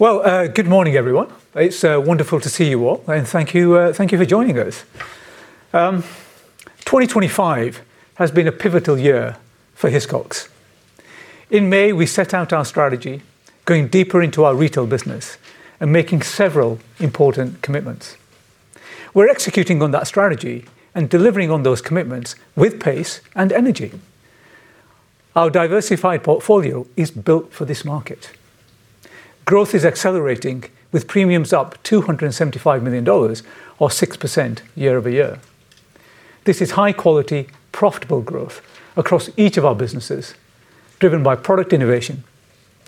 Well, good morning, everyone. It's wonderful to see you all, and thank you for joining us. 2025 has been a pivotal year for Hiscox. In May, we set out our strategy, going deeper into our retail business and making several important commitments. We're executing on that strategy and delivering on those commitments with pace and energy. Our diversified portfolio is built for this market. Growth is accelerating, with premiums up $275 million or 6% year-over-year. This is high-quality, profitable growth across each of our businesses, driven by product innovation,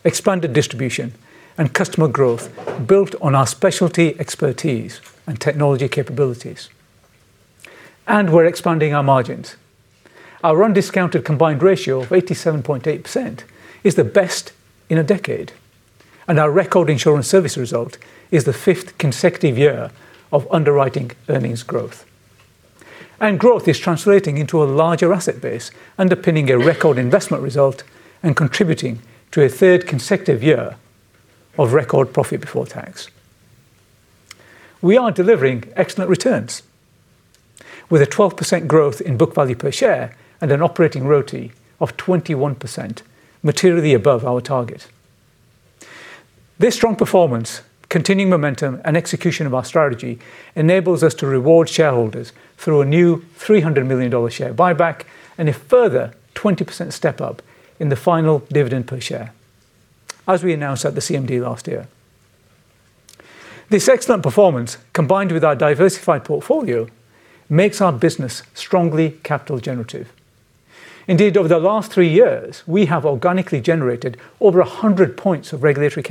expanded distribution, and customer growth built on our specialty, expertise, and technology capabilities. We're expanding our margins. Our undiscounted combined ratio of 87.8% is the best in a decade, and our record insurance service result is the fifth consecutive year of underwriting earnings growth. Growth is translating into a larger asset base, underpinning a record investment result and contributing to a third consecutive year of record profit before tax. We are delivering excellent returns, with a 12% growth in book value per share and an operating ROTE of 21%, materially above our target. This strong performance, continuing momentum, and execution of our strategy enables us to reward shareholders through a new $300 million share buyback and a further 20% step up in the final dividend per share, as we announced at the CMD last year. This excellent performance, combined with our diversified portfolio, makes our business strongly capital generative. Indeed, over the last 3 years, we have organically generated over 100 points of regulatory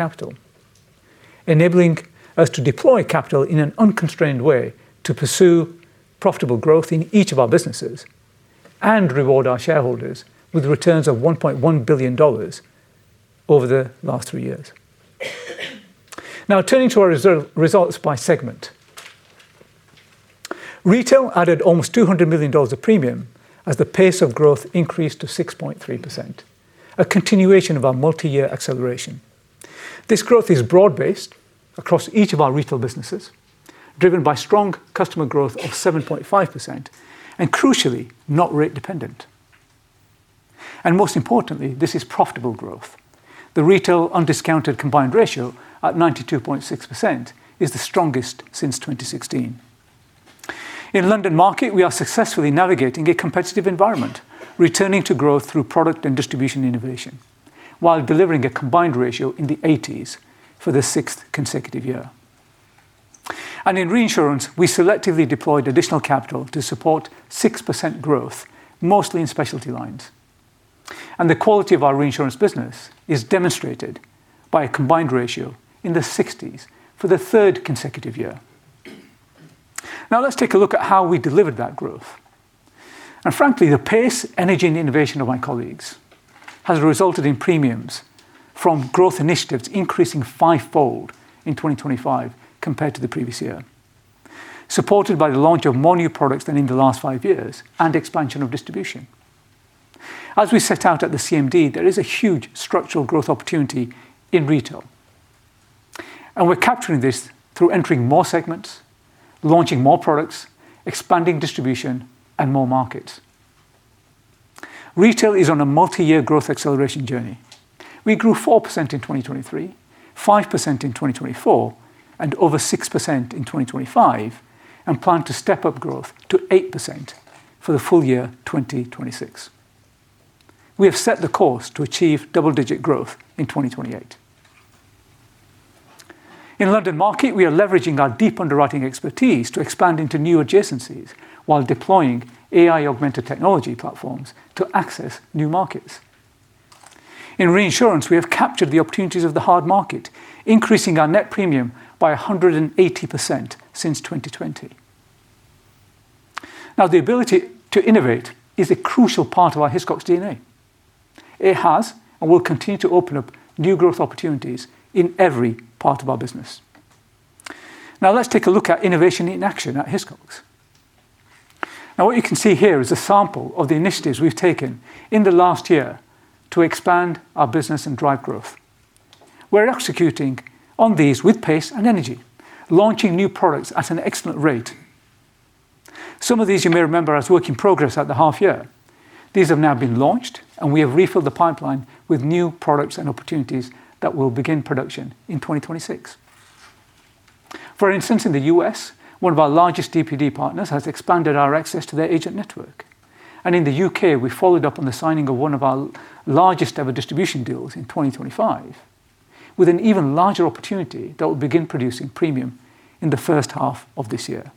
capital, enabling us to deploy capital in an unconstrained way to pursue profitable growth in each of our businesses and reward our shareholders with returns of $1.1 billion over the last 3 years. Now, turning to our reserve results by segment. Retail added almost $200 million of premium as the pace of growth increased to 6.3%, a continuation of our multi-year acceleration. This growth is broad-based across each of our retail businesses, driven by strong customer growth of 7.5% and, crucially, not rate dependent. Most importantly, this is profitable growth. The retail undiscounted combined ratio, at 92.6%, is the strongest since 2016. In London Market, we are successfully navigating a competitive environment, returning to growth through product and distribution innovation, while delivering a combined ratio in the 80s for the 6th consecutive year. In reinsurance, we selectively deployed additional capital to support 6% growth, mostly in specialty lines. The quality of our reinsurance business is demonstrated by a combined ratio in the 60s for the 3rd consecutive year. Now, let's take a look at how we delivered that growth. Frankly, the pace, energy, and innovation of my colleagues has resulted in premiums from growth initiatives increasing 5-fold in 2025 compared to the previous year, supported by the launch of more new products than in the last 5 years and expansion of distribution. As we set out at the CMD, there is a huge structural growth opportunity in retail, we're capturing this through entering more segments, launching more products, expanding distribution, and more markets. Retail is on a multi-year growth acceleration journey. We grew 4% in 2023, 5% in 2024, over 6% in 2025, plan to step up growth to 8% for the full year 2026. We have set the course to achieve double-digit growth in 2028. In London Market, we are leveraging our deep underwriting expertise to expand into new adjacencies while deploying AI-augmented technology platforms to access new markets. In reinsurance, we have captured the opportunities of the hard market, increasing our net premium by 180% since 2020. The ability to innovate is a crucial part of our Hiscox DNA. It has and will continue to open up new growth opportunities in every part of our business. Let's take a look at innovation in action at Hiscox. What you can see here is a sample of the initiatives we've taken in the last year to expand our business and drive growth. We're executing on these with pace and energy, launching new products at an excellent rate. Some of these you may remember as work in progress at the half year. These have now been launched, and we have refilled the pipeline with new products and opportunities that will begin production in 2026. For instance, in the US, one of our largest DPD partners has expanded our access to their agent network. In the U.K., we followed up on the signing of one of our largest-ever distribution deals in 2025, with an even larger opportunity that will begin producing premium in the first half of this year.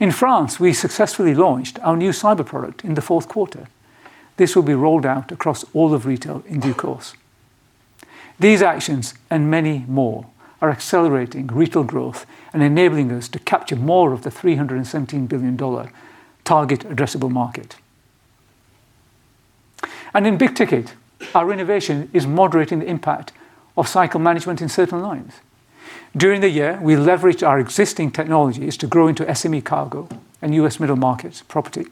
In France, we successfully launched our new cyber product in the fourth quarter. This will be rolled out across all of retail in due course. These actions and many more are accelerating retail growth and enabling us to capture more of the $317 billion target addressable market. In Big Ticket, our innovation is moderating the impact of cycle management in certain lines. During the year, we leveraged our existing technologies to grow into SME cargo and U.S. middle markets property.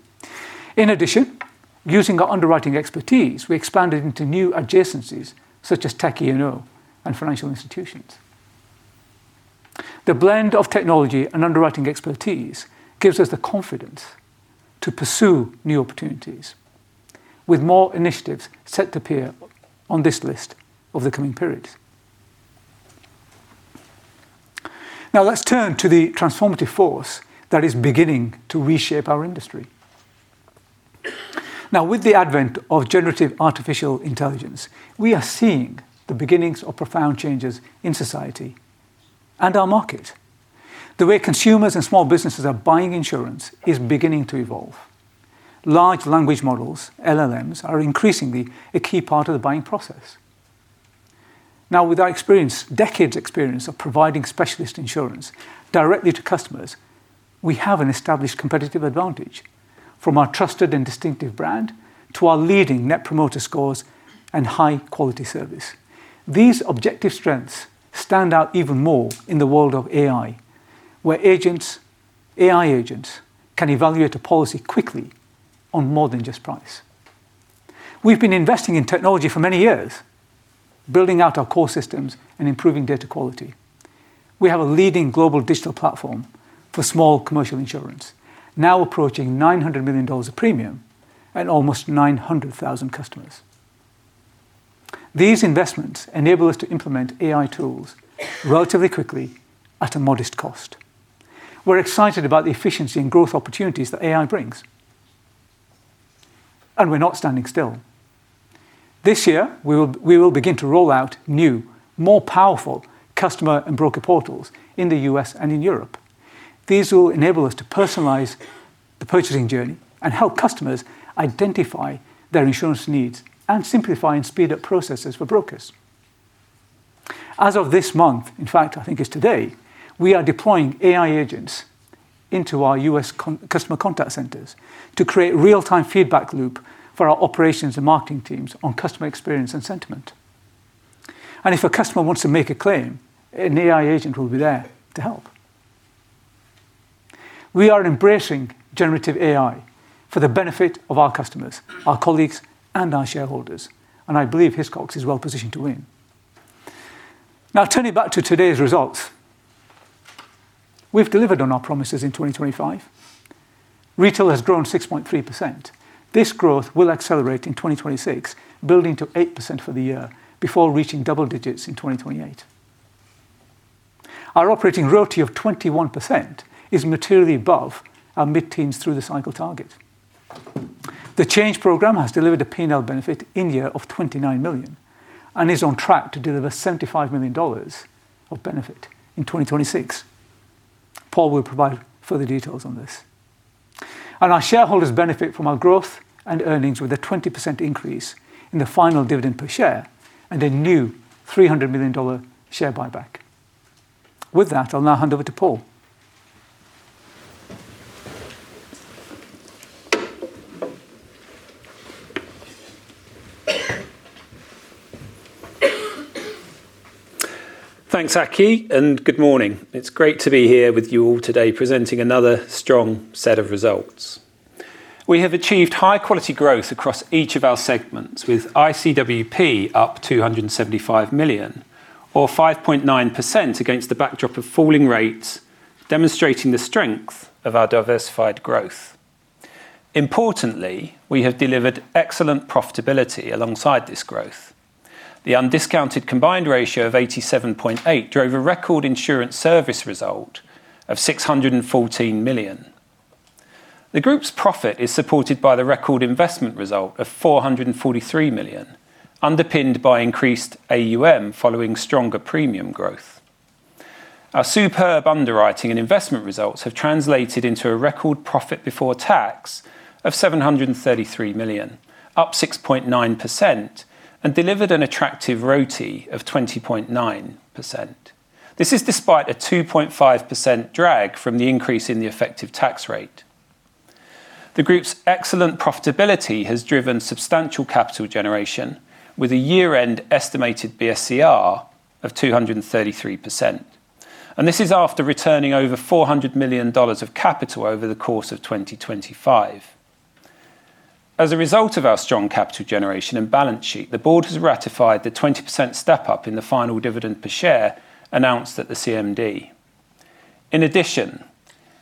In addition, using our underwriting expertise, we expanded into new adjacencies such as tech, you know, and financial institutions. The blend of technology and underwriting expertise gives us the confidence to pursue new opportunities, with more initiatives set to appear on this list over the coming periods. Let's turn to the transformative force that is beginning to reshape our industry. With the advent of Generative AI, we are seeing the beginnings of profound changes in society and our market. The way consumers and small businesses are buying insurance is beginning to evolve. Large Language Models, LLMs, are increasingly a key part of the buying process. With our experience, decades experience of providing specialist insurance directly to customers, we have an established competitive advantage, from our trusted and distinctive brand to our leading Net Promoter Scores and high-quality service. These objective strengths stand out even more in the world of AI, where agents, AI agents, can evaluate a policy quickly on more than just price. We've been investing in technology for many years, building out our core systems and improving data quality. We have a leading global digital platform for small commercial insurance, now approaching $900 million of premium and almost 900,000 customers. These investments enable us to implement AI tools relatively quickly at a modest cost. We're excited about the efficiency and growth opportunities that AI brings, and we're not standing still. This year, we will begin to roll out new, more powerful customer and broker portals in the U.S. and in Europe. These will enable us to personalize the purchasing journey and help customers identify their insurance needs and simplify and speed up processes for brokers. As of this month, in fact, I think it's today, we are deploying AI agents into our U.S. customer contact centers to create real-time feedback loop for our operations and marketing teams on customer experience and sentiment. If a customer wants to make a claim, an AI agent will be there to help. We are embracing generative AI for the benefit of our customers, our colleagues, and our shareholders, and I believe Hiscox is well positioned to win. Turning back to today's results, we've delivered on our promises in 2025. Retail has grown 6.3%. This growth will accelerate in 2026, building to 8% for the year before reaching double digits in 2028. Our operating ROTE of 21% is materially above our mid-teens through the cycle target. The change program has delivered a P&L benefit in year of $29 million and is on track to deliver $75 million of benefit in 2026. Paul will provide further details on this. Our shareholders benefit from our growth and earnings, with a 20% increase in the final dividend per share and a new $300 million share buyback. With that, I'll now hand over to Paul. Thanks, Aki, good morning. It's great to be here with you all today, presenting another strong set of results. We have achieved high-quality growth across each of our segments, with ICWP up $275 million or 5.9% against the backdrop of falling rates, demonstrating the strength of our diversified growth. Importantly, we have delivered excellent profitability alongside this growth. The undiscounted combined ratio of 87.8 drove a record insurance service result of $614 million. The group's profit is supported by the record investment result of $443 million, underpinned by increased AUM following stronger premium growth. Our superb underwriting and investment results have translated into a record profit before tax of $733 million, up 6.9%, and delivered an attractive ROTE of 20.9%. This is despite a 2.5% drag from the increase in the effective tax rate. The group's excellent profitability has driven substantial capital generation, with a year-end estimated BSCR of 233%, and this is after returning over $400 million of capital over the course of 2025. As a result of our strong capital generation and balance sheet, the board has ratified the 20% step-up in the final dividend per share announced at the CMD. In addition,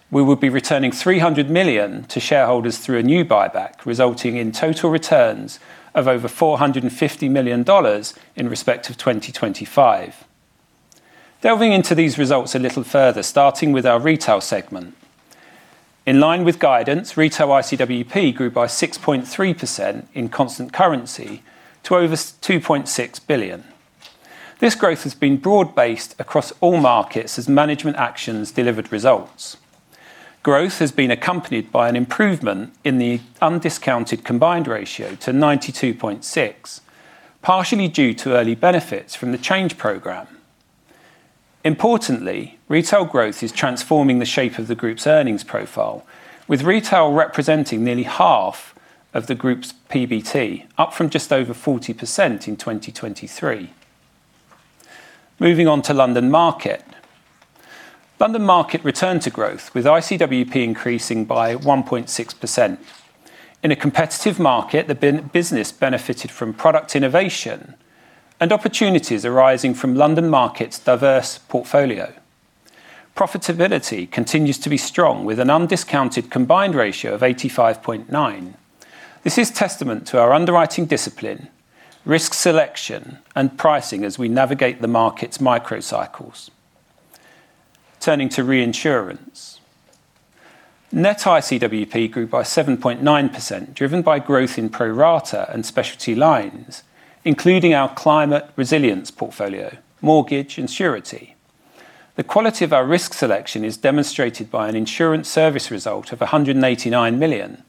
we will be returning $300 million to shareholders through a new buyback, resulting in total returns of over $450 million in respect of 2025. Delving into these results a little further, starting with our retail segment. In line with guidance, retail ICWP grew by 6.3% in constant currency to over $2.6 billion. This growth has been broad-based across all markets as management actions delivered results. Growth has been accompanied by an improvement in the undiscounted combined ratio to 92.6%, partially due to early benefits from the change program. Importantly, retail growth is transforming the shape of the group's earnings profile, with retail representing nearly half of the group's PBT, up from just over 40% in 2023. Moving on to London Market. London Market returned to growth, with ICWP increasing by 1.6%. In a competitive market, the business benefited from product innovation and opportunities arising from London Market's diverse portfolio. Profitability continues to be strong, with an undiscounted combined ratio of 85.9%. This is testament to our underwriting discipline, risk selection, and pricing as we navigate the market's micro cycles. Turning to reinsurance. Net ICWP grew by 7.9%, driven by growth in pro rata and specialty lines, including our climate resilience portfolio, mortgage, and surety. The quality of our risk selection is demonstrated by an insurance service result of $189 million,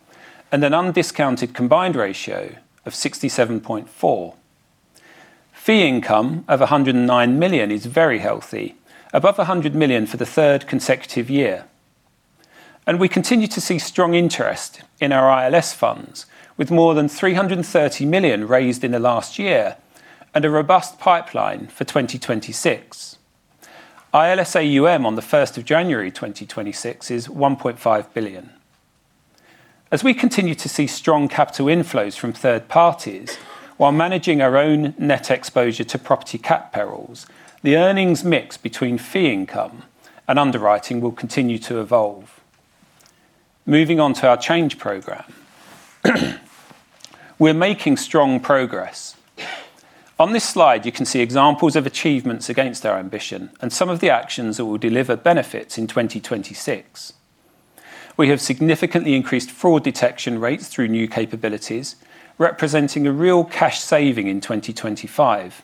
and an undiscounted combined ratio of 67.4%. Fee income of $109 million is very healthy, above $100 million for the third consecutive year. We continue to see strong interest in our ILS funds, with more than $330 million raised in the last year and a robust pipeline for 2026. ILS AUM on the 1st of January, 2026 is $1.5 billion. As we continue to see strong capital inflows from third parties, while managing our own net exposure to property cat perils, the earnings mix between fee income and underwriting will continue to evolve. Moving on to our change program. We're making strong progress. On this slide, you can see examples of achievements against our ambition and some of the actions that will deliver benefits in 2026. We have significantly increased fraud detection rates through new capabilities, representing a real cash saving in 2025.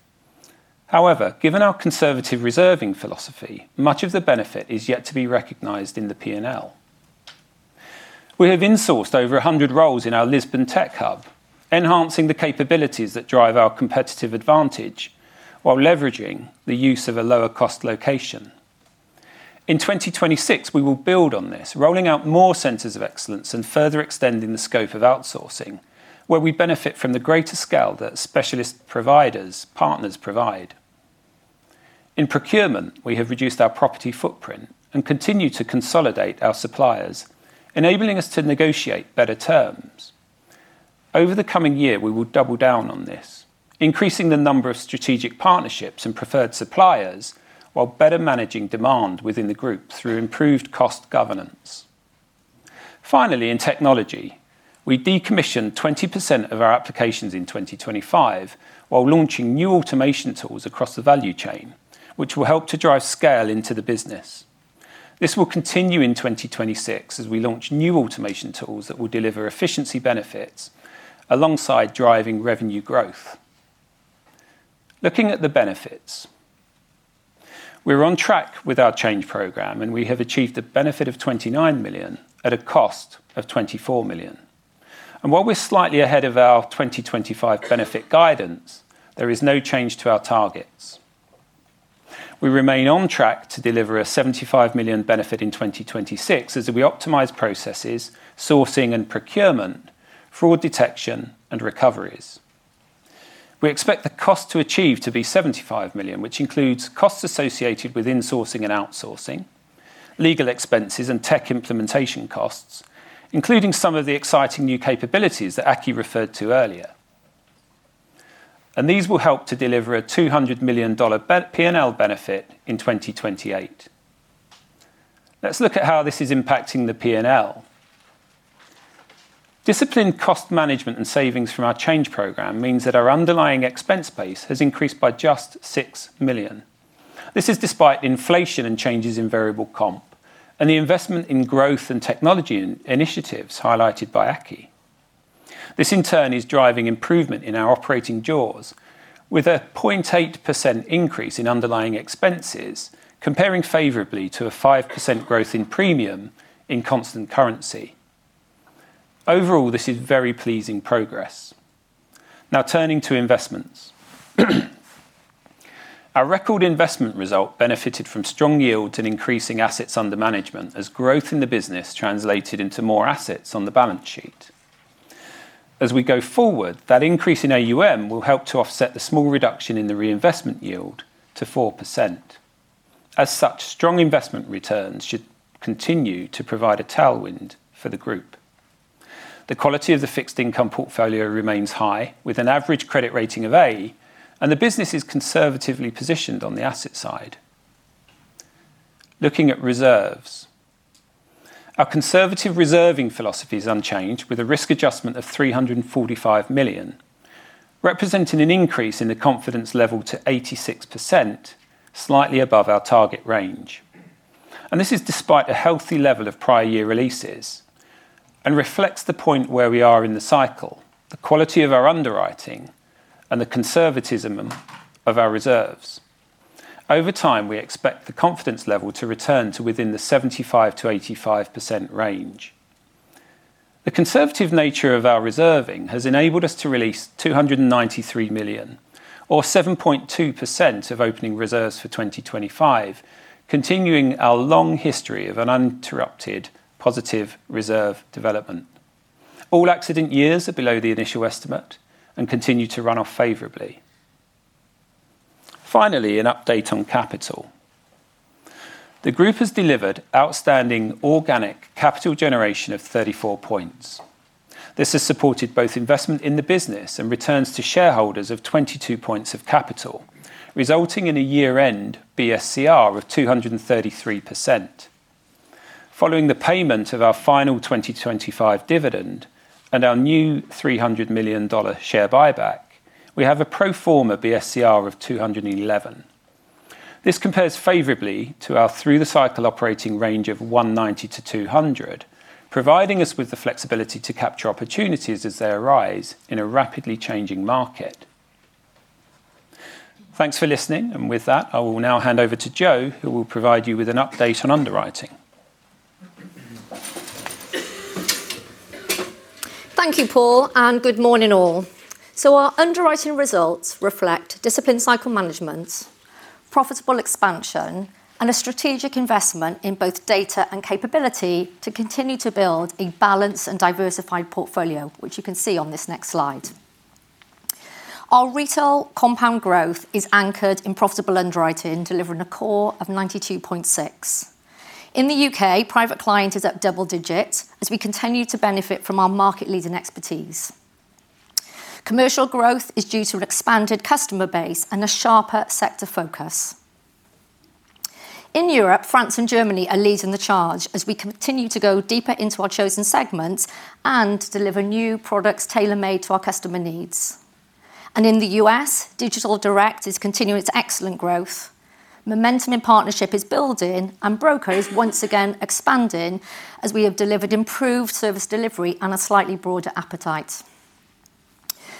However, given our conservative reserving philosophy, much of the benefit is yet to be recognized in the P&L. We have insourced over 100 roles in our Lisbon Tech hub, enhancing the capabilities that drive our competitive advantage while leveraging the use of a lower-cost location. In 2026, we will build on this, rolling out more centers of excellence and further extending the scope of outsourcing, where we benefit from the greater scale that specialist providers, partners provide. In procurement, we have reduced our property footprint and continue to consolidate our suppliers, enabling us to negotiate better terms. Over the coming year, we will double down on this, increasing the number of strategic partnerships and preferred suppliers, while better managing demand within the group through improved cost governance. Finally, in technology, we decommissioned 20% of our applications in 2025 while launching new automation tools across the value chain, which will help to drive scale into the business. This will continue in 2026 as we launch new automation tools that will deliver efficiency benefits alongside driving revenue growth. Looking at the benefits, we're on track with our change program, and we have achieved a benefit of $29 million at a cost of $24 million. While we're slightly ahead of our 2025 benefit guidance, there is no change to our targets. We remain on track to deliver a $75 million benefit in 2026, as we optimize processes, sourcing and procurement, fraud detection, and recoveries. We expect the cost to achieve to be $75 million, which includes costs associated with insourcing and outsourcing, legal expenses, and tech implementation costs, including some of the exciting new capabilities that Aki referred to earlier. These will help to deliver a $200 million P&L benefit in 2028. Let's look at how this is impacting the P&L. Disciplined cost management and savings from our change program means that our underlying expense base has increased by just $6 million. This is despite inflation and changes in variable comp and the investment in growth and technology initiatives highlighted by Aki. This, in turn, is driving improvement in our operating jaws with a 0.8% increase in underlying expenses, comparing favorably to a 5% growth in premium in constant currency. Overall, this is very pleasing progress. Turning to investments. Our record investment result benefited from strong yields and increasing assets under management, as growth in the business translated into more assets on the balance sheet. As we go forward, that increase in AUM will help to offset the small reduction in the reinvestment yield to 4%. As such, strong investment returns should continue to provide a tailwind for the group. The quality of the fixed income portfolio remains high, with an average credit rating of A. The business is conservatively positioned on the asset side. Looking at reserves. Our conservative reserving philosophy is unchanged, with a risk adjustment of $345 million, representing an increase in the confidence level to 86%, slightly above our target range. This is despite a healthy level of prior year releases and reflects the point where we are in the cycle, the quality of our underwriting, and the conservatism of our reserves. Over time, we expect the confidence level to return to within the 75%-85% range. The conservative nature of our reserving has enabled us to release $293 million, or 7.2% of opening reserves for 2025, continuing our long history of an uninterrupted positive reserve development. All accident years are below the initial estimate and continue to run off favorably.... Finally, an update on capital. The group has delivered outstanding organic capital generation of 34 points. This has supported both investment in the business and returns to shareholders of 22 points of capital, resulting in a year-end BSCR of 233%. Following the payment of our final 2025 dividend and our new $300 million share buyback, we have a pro forma BSCR of 211. This compares favorably to our through the cycle operating range of 190%-200%, providing us with the flexibility to capture opportunities as they arise in a rapidly changing market. Thanks for listening, and with that, I will now hand over to Jo, who will provide you with an update on underwriting. Thank you, Paul, and good morning all. Our underwriting results reflect disciplined cycle management, profitable expansion, and a strategic investment in both data and capability to continue to build a balanced and diversified portfolio, which you can see on this next slide. Our retail compound growth is anchored in profitable underwriting, delivering a core of 92.6%. In the U.K., private client is at double digits as we continue to benefit from our market-leading expertise. Commercial growth is due to an expanded customer base and a sharper sector focus. In Europe, France and Germany are leading the charge as we continue to go deeper into our chosen segments and deliver new products tailor-made to our customer needs. In the US, digital direct is continuing its excellent growth. Momentum in partnership is building, brokers once again expanding, as we have delivered improved service delivery and a slightly broader appetite.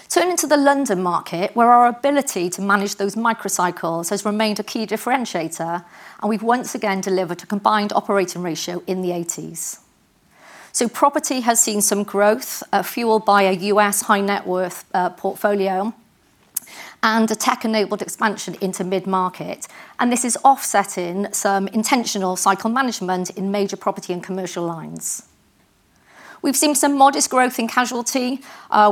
Turning to the London Market, where our ability to manage those microcycles has remained a key differentiator, we've once again delivered a combined operating ratio in the 80s. Property has seen some growth, fueled by a U.S. high-net-worth portfolio and a tech-enabled expansion into mid-market, this is offsetting some intentional cycle management in major property and commercial lines. We've seen some modest growth in casualty.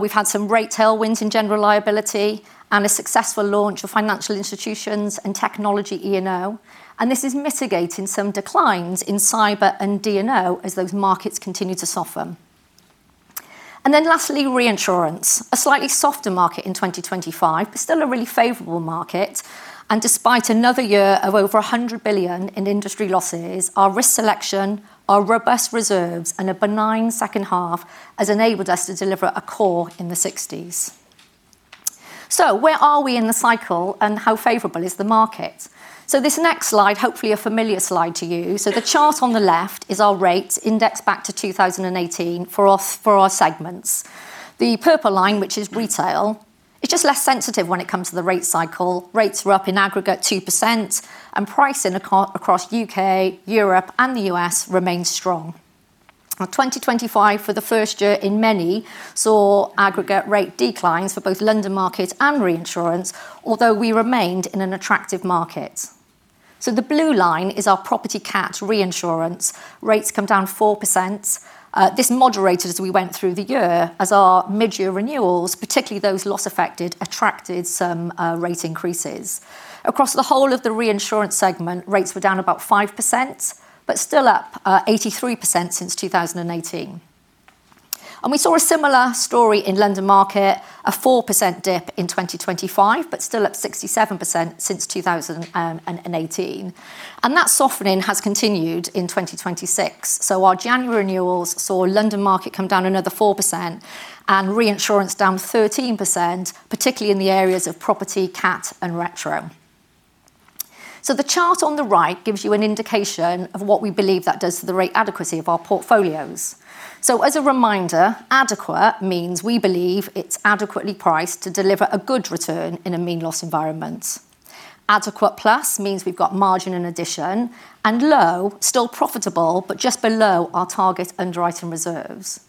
We've had some rate tailwinds in general liability and a successful launch of financial institutions and technology E&O, this is mitigating some declines in cyber and D&O as those markets continue to soften. Lastly, reinsurance. A slightly softer market in 2025. Still a really favorable market. Despite another year of over $100 billion in industry losses, our risk selection, our robust reserves, and a benign second half has enabled us to deliver a core in the 60s Where are we in the cycle, and how favorable is the market? This next slide, hopefully a familiar slide to you. The chart on the left is our rates indexed back to 2018 for our segments. The purple line, which is retail, is just less sensitive when it comes to the rate cycle. Rates were up in aggregate 2%, and pricing across U.K., Europe, and the U.S. remains strong. 2025, for the first year in many, saw aggregate rate declines for both London Market and reinsurance, although we remained in an attractive market. The blue line is our property cat reinsurance. Rates come down 4%. This moderated as we went through the year as our mid-year renewals, particularly those loss affected, attracted some rate increases. Across the whole of the reinsurance segment, rates were down about 5%, but still up 83% since 2018. We saw a similar story in London Market, a 4% dip in 2025, but still up 67% since 2018. That softening has continued in 2026. Our January renewals saw London Market come down another 4% and reinsurance down 13%, particularly in the areas of property cat and retro. The chart on the right gives you an indication of what we believe that does to the rate adequacy of our portfolios. As a reminder, adequate means we believe it's adequately priced to deliver a good return in a mean loss environment. Adequate plus means we've got margin in addition, and low, still profitable, but just below our target underwriting reserves.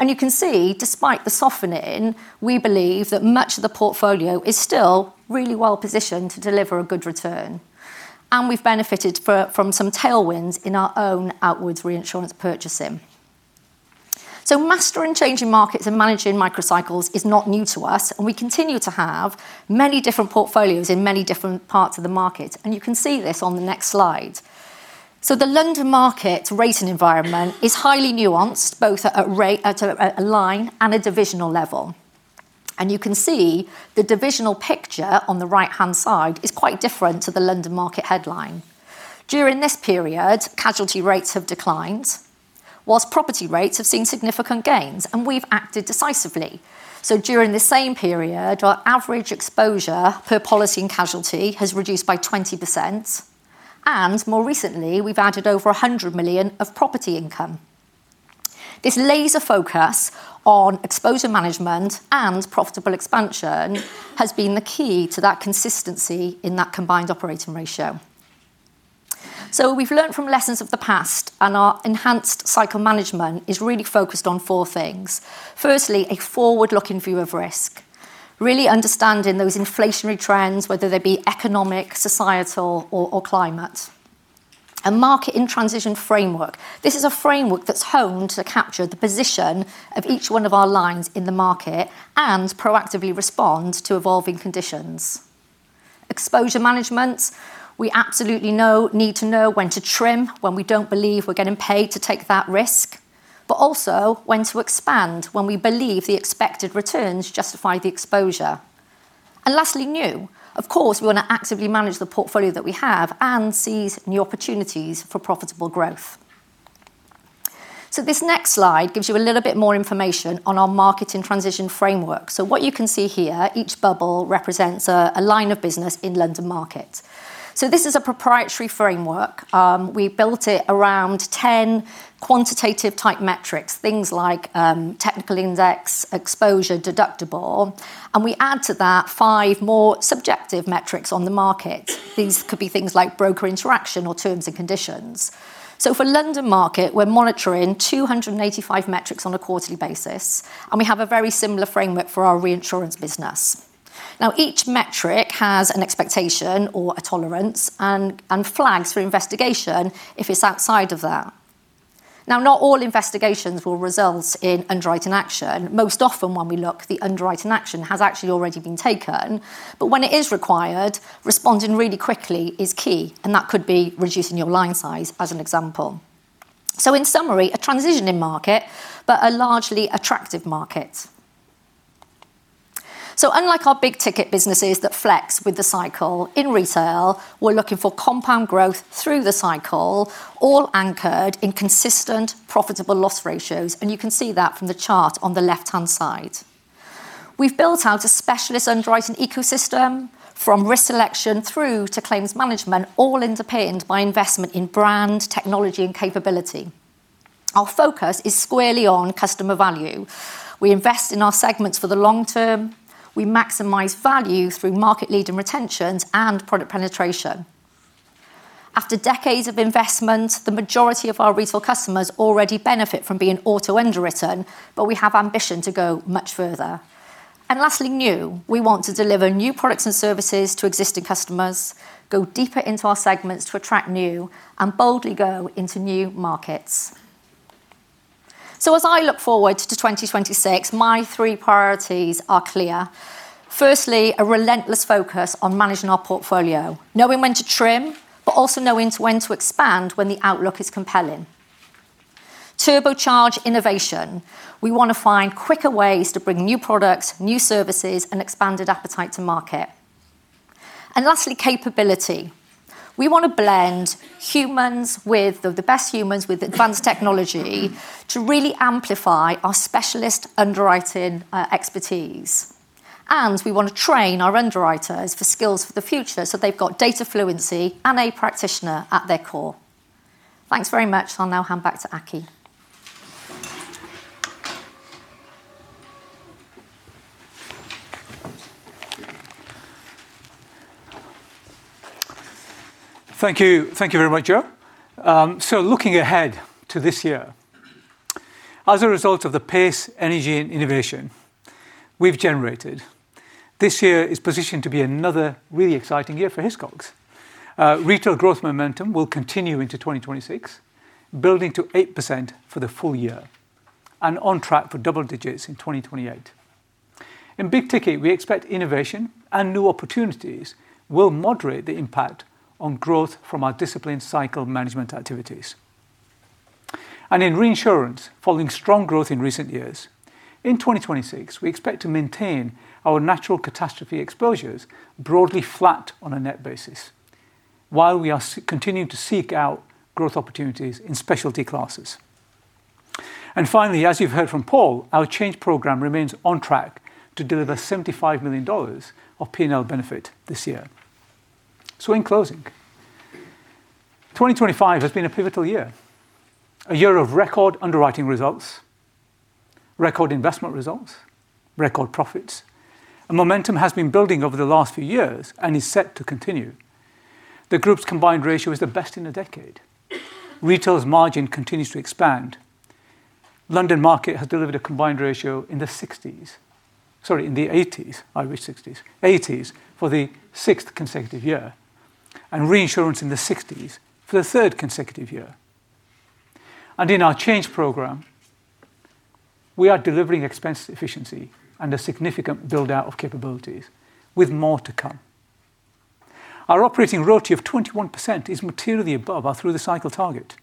You can see, despite the softening, we believe that much of the portfolio is still really well positioned to deliver a good return, and we've benefited from some tailwinds in our own outwards reinsurance purchasing. Mastering changing markets and managing microcycles is not new to us, and we continue to have many different portfolios in many different parts of the market. You can see this on the next slide. The London Market rating environment is highly nuanced, both at a line and a divisional level. You can see the divisional picture on the right-hand side is quite different to the London Market headline. During this period, casualty rates have declined, while property rates have seen significant gains, and we've acted decisively. During the same period, our average exposure per policy and casualty has reduced by 20%, and more recently, we've added over $100 million of property income. This laser focus on exposure management and profitable expansion has been the key to that consistency in that combined operating ratio. We've learned from lessons of the past, and our enhanced cycle management is really focused on four things. Firstly, a forward-looking view of risk, really understanding those inflationary trends, whether they be economic, societal, or climate. A Market in Transition Framework. This is a framework that's honed to capture the position of each one of our lines in the market and proactively respond to evolving conditions. Exposure management, we absolutely know, need to know when to trim, when we don't believe we're getting paid to take that risk, but also when to expand, when we believe the expected returns justify the exposure. Lastly, new. Of course, we want to actively manage the portfolio that we have and seize new opportunities for profitable growth. This next slide gives you a little bit more information on our Market in Transition Framework. What you can see here, each bubble represents a line of business in London Market. This is a proprietary framework. We built it around 10 quantitative type metrics, things like technical index, exposure, deductible, and we add to that 5 more subjective metrics on the market. These could be things like broker interaction or terms and conditions. For London Market, we're monitoring 285 metrics on a quarterly basis, and we have a very similar framework for our reinsurance business. Each metric has an expectation or a tolerance and flags for investigation if it's outside of that. Not all investigations will result in underwriting action. Most often, when we look, the underwriting action has actually already been taken. When it is required, responding really quickly is key, and that could be reducing your line size, as an example. In summary, a transitioning market, but a largely attractive market. Unlike our big-ticket businesses that flex with the cycle, in retail, we're looking for compound growth through the cycle, all anchored in consistent profitable loss ratios, and you can see that from the chart on the left-hand side. We've built out a specialist underwriting ecosystem, from risk selection through to claims management, all underpinned by investment in brand, technology, and capability. Our focus is squarely on customer value. We invest in our segments for the long term. We maximize value through market-leading retentions and product penetration. After decades of investment, the majority of our retail customers already benefit from being auto-underwritten, but we have ambition to go much further. Lastly, new. We want to deliver new products and services to existing customers, go deeper into our segments to attract new, and boldly go into new markets. As I look forward to 2026, my three priorities are clear. Firstly, a relentless focus on managing our portfolio, knowing when to trim, but also knowing when to expand when the outlook is compelling. Turbocharge innovation. We want to find quicker ways to bring new products, new services, and expanded appetite to market. Lastly, capability. We want to blend the best humans with advanced technology to really amplify our specialist underwriting expertise. We want to train our underwriters for skills for the future, so they've got data fluency and a practitioner at their core. Thanks very much. I'll now hand back to Aki. Thank you. Thank you very much, Jo. Looking ahead to this year, as a result of the pace, energy, and innovation we've generated, this year is positioned to be another really exciting year for Hiscox. Retail growth momentum will continue into 2026, building to 8% for the full year and on track for double digits in 2028. In big ticket, we expect innovation and new opportunities will moderate the impact on growth from our disciplined cycle management activities. In reinsurance, following strong growth in recent years, in 2026, we expect to maintain our natural catastrophe exposures broadly flat on a net basis, while we are continuing to seek out growth opportunities in specialty classes. Finally, as you've heard from Paul, our change program remains on track to deliver $75 million of P&L benefit this year. In closing, 2025 has been a pivotal year, a year of record underwriting results, record investment results, record profits. Momentum has been building over the last few years and is set to continue. The group's combined ratio is the best in a decade. Retail's margin continues to expand. London Market has delivered a combined ratio in the 60s, Sorry, in the 80s. I read 60s. 80s, for the 6th consecutive year, and reinsurance in the 60s for the 3rd consecutive year. In our change program, we are delivering expense efficiency and a significant build-out of capabilities, with more to come. Our operating ROTE of 21% is materially above our through-the-cycle target,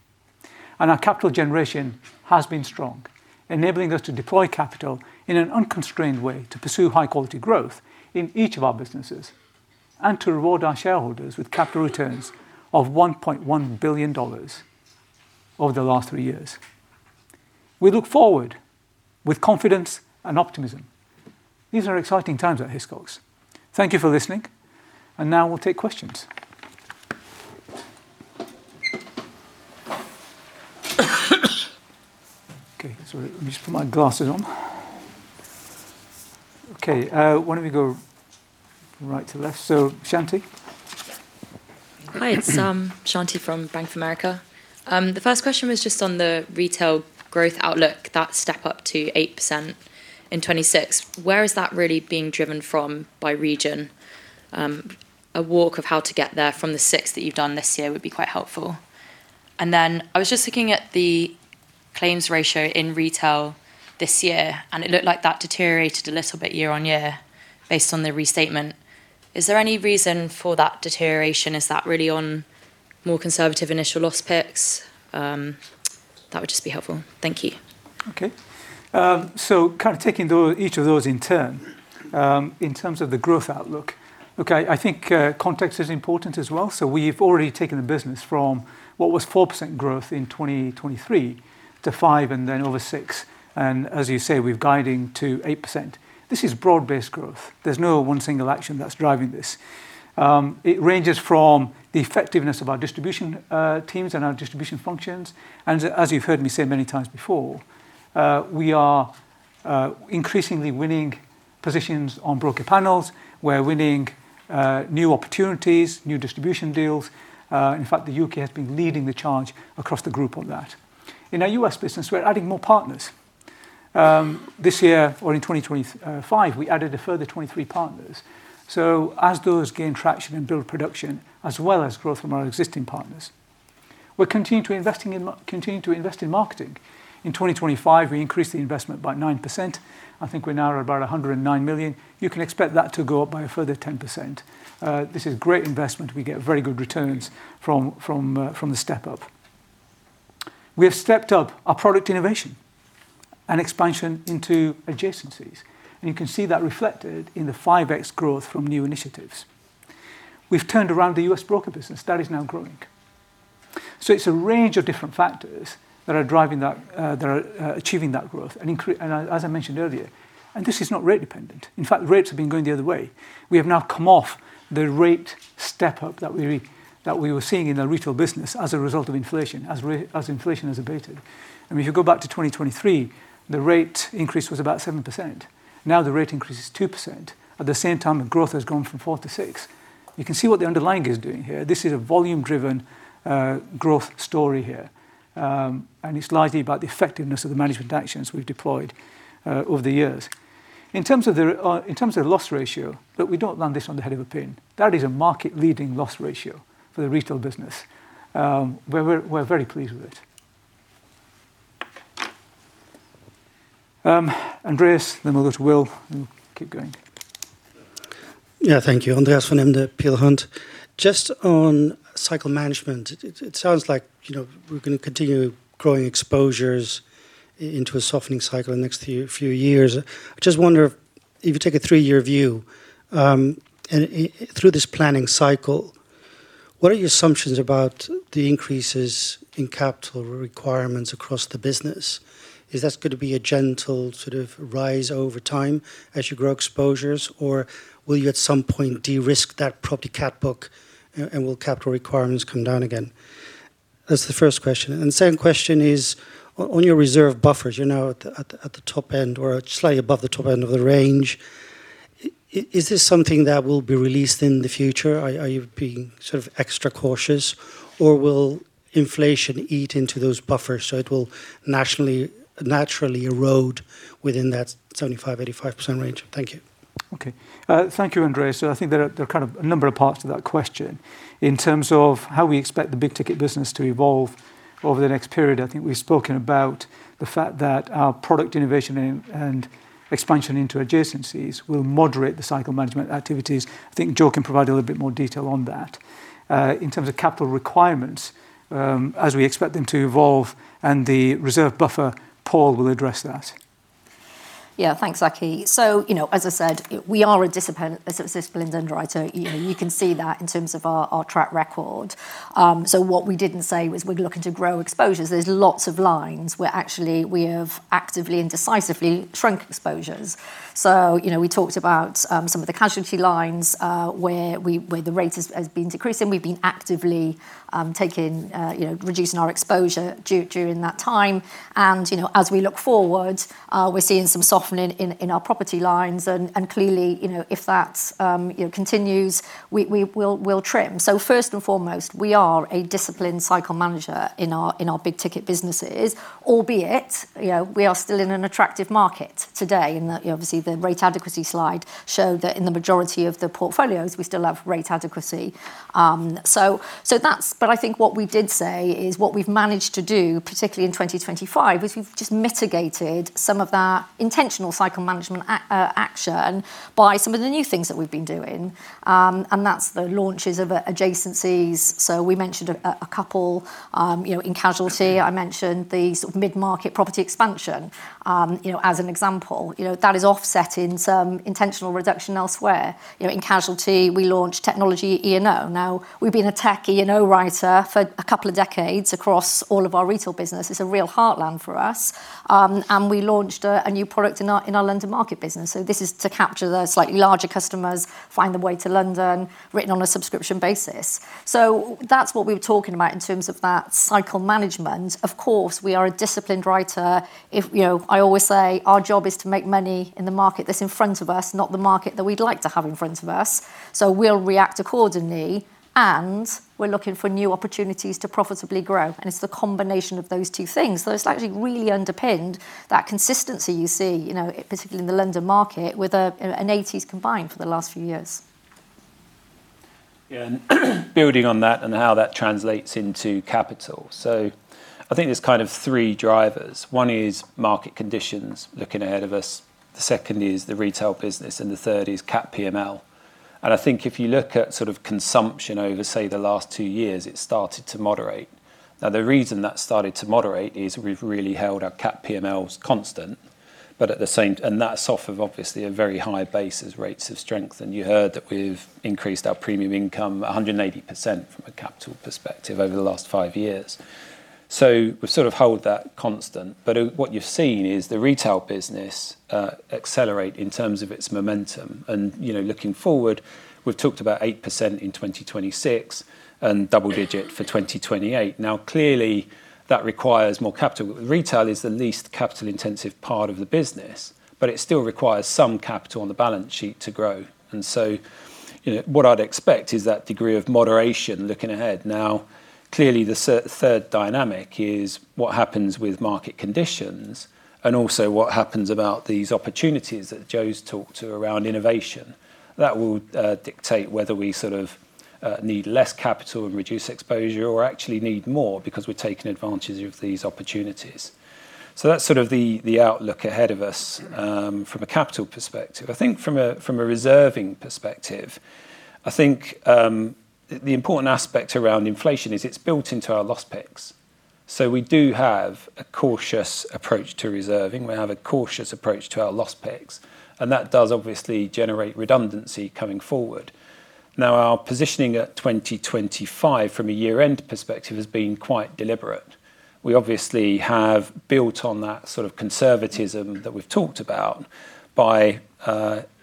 and our capital generation has been strong, enabling us to deploy capital in an unconstrained way to pursue high-quality growth in each of our businesses and to reward our shareholders with capital returns of $1.1 billion over the last 3 years. We look forward with confidence and optimism. These are exciting times at Hiscox. Thank you for listening, and now we'll take questions. Sorry. Let me just put my glasses on. Why don't we go right to left? Shanti? Hi, it's Shanti from Bank of America. The first question was just on the retail growth outlook, that step up to 8% in 2026. Where is that really being driven from by region? A walk of how to get there from the 6 that you've done this year would be quite helpful. I was just looking at the claims ratio in retail this year, and it looked like that deteriorated a little bit year-on-year, based on the restatement. Is there any reason for that deterioration? Is that really on more conservative initial loss picks? That would just be helpful. Thank you. Okay. Taking each of those in turn, in terms of the growth outlook. Okay, I think context is important as well. We've already taken the business from what was 4% growth in 2023 to 5%, and then over 6%, and as you say, we're guiding to 8%. This is broad-based growth. There's no one single action that's driving this. It ranges from the effectiveness of our distribution teams and our distribution functions. As you've heard me say many times before, we are increasingly winning positions on broker panels. We're winning new opportunities, new distribution deals. In fact, the U.K. has been leading the charge across the group on that. In our US business, we're adding more partners. This year or in 2025, we added a further 23 partners. As those gain traction and build production, as well as growth from our existing partners, we're continuing to invest in marketing. In 2025, we increased the investment by 9%. I think we're now at about $109 million. You can expect that to go up by a further 10%. This is great investment. We get very good returns from the step-up. We have stepped up our product innovation and expansion into adjacencies, and you can see that reflected in the 5x growth from new initiatives. We've turned around the U.S. broker business. That is now growing. It's a range of different factors that are driving that that are achieving that growth. As I mentioned earlier, this is not rate-dependent. In fact, rates have been going the other way. We have now come off the rate step up that we were seeing in the retail business as a result of inflation, as inflation has abated. I mean, if you go back to 2023, the rate increase was about 7%. Now, the rate increase is 2%. At the same time, the growth has gone from 4%-6%. You can see what the underlying is doing here. This is a volume-driven growth story here, and it's largely about the effectiveness of the management actions we've deployed over the years. In terms of the loss ratio, look, we don't land this on the head of a pin. That is a market-leading loss ratio for the retail business. We're very pleased with it. Andreas, we'll go to Will, and keep going. Thank you. Andreas van Embden, Peel Hunt. Just on cycle management, it sounds like, you know, we're gonna continue growing exposures into a softening cycle in the next few years. I just wonder, if you take a three-year view, through this planning cycle, what are your assumptions about the increases in capital requirements across the business? Is this going to be a gentle sort of rise over time as you grow exposures, or will you at some point de-risk that property cat book, and will capital requirements come down again? That's the first question. The second question is, on your reserve buffers at the top end or slightly above the top end of the range, is this something that will be released in the future? Are you being sort of extra cautious, or will inflation eat into those buffers, so it will naturally erode within that 75%-85% range? Thank you. Thank you, Andreas. I think there are kind of a number of parts to that question. In terms of how we expect the big ticket business to evolve over the next period, I think we've spoken about the fact that our product innovation and expansion into adjacencies will moderate the cycle management activities. I think Jo can provide a little bit more detail on that. In terms of capital requirements, as we expect them to evolve and the reserve buffer, Paul will address that. Yeah. Thanks, Aki. You know, as I said, we are a disciplined underwriter. You know, you can see that in terms of our track record. What we didn't say was we're looking to grow exposures. There's lots of lines where actually we have actively and decisively shrunk exposures. You know, we talked about some of the casualty lines where the rate has been decreasing. We've been actively taking, you know, reducing our exposure during that time. As we look forward, we're seeing some softening in our property lines, and clearly, if that continues, we will, we'll trim. First and foremost, we are a disciplined cycle manager in our big ticket businesses, albeit, you know, we are still in an attractive market today, in that, you know, obviously, the rate adequacy slide showed that in the majority of the portfolios, we still have rate adequacy. I think what we did say is, what we've managed to do, particularly in 2025, is we've just mitigated some of that intentional cycle management action by some of the new things that we've been doing. That's the launches of adjacencies. We mentioned a couple, you know, in casualty. I mentioned the sort of mid-market property expansion as an example. That is offsetting some intentional reduction elsewhere. In casualty, we launched technology E&O. We've been a tech E&O writer for a couple of decades across all of our retail business. It's a real heartland for us. We launched a new product in our London Market business. This is to capture the slightly larger customers, find their way to London, written on a subscription basis. That's what we were talking about in terms of that cycle management. Of course, we are disciplined writer. I always say, our job is to make money in the market that's in front of us, not the market that we'd like to have in front of us. We'll react accordingly, and we're looking for new opportunities to profitably grow, and it's the combination of those two things. Those slightly really underpinned that consistency you see particularly in the London Market, with an 80s combined for the last few years. Building on that and how that translates into capital. I think there's three drivers. One is market conditions looking ahead of us, the second is the retail business, and the third is CAT PML. I think if you look at sort of consumption over, say, the last two years, it started to moderate. The reason that started to moderate is we've really held our CAT PMLs constant, and that's off of obviously a very high basis rates of strength. You heard that we've increased our premium income 180% from a capital perspective over the last 5 years. We sort of hold that constant, but what you've seen is the retail business accelerate in terms of its momentum. You know, looking forward, we've talked about 8% in 2026 and double-digit for 2028. Clearly, that requires more capital. Retail is the least capital-intensive part of the business, but it still requires some capital on the balance sheet to grow. You know, what I'd expect is that degree of moderation looking ahead. Clearly, the third dynamic is what happens with market conditions and also what happens about these opportunities that Jo's talked to around innovation. That will dictate whether we sort of need less capital and reduce exposure or actually need more because we're taking advantage of these opportunities. That's sort of the outlook ahead of us from a capital perspective. I think from a, from a reserving perspective the important aspect around inflation is it's built into our loss picks. We do have a cautious approach to reserving. We have a cautious approach to our loss picks, and that does obviously generate redundancy coming forward. Our positioning at 2025 from a year-end perspective has been quite deliberate. We have obviously built on that sort of conservatism that we've talked about by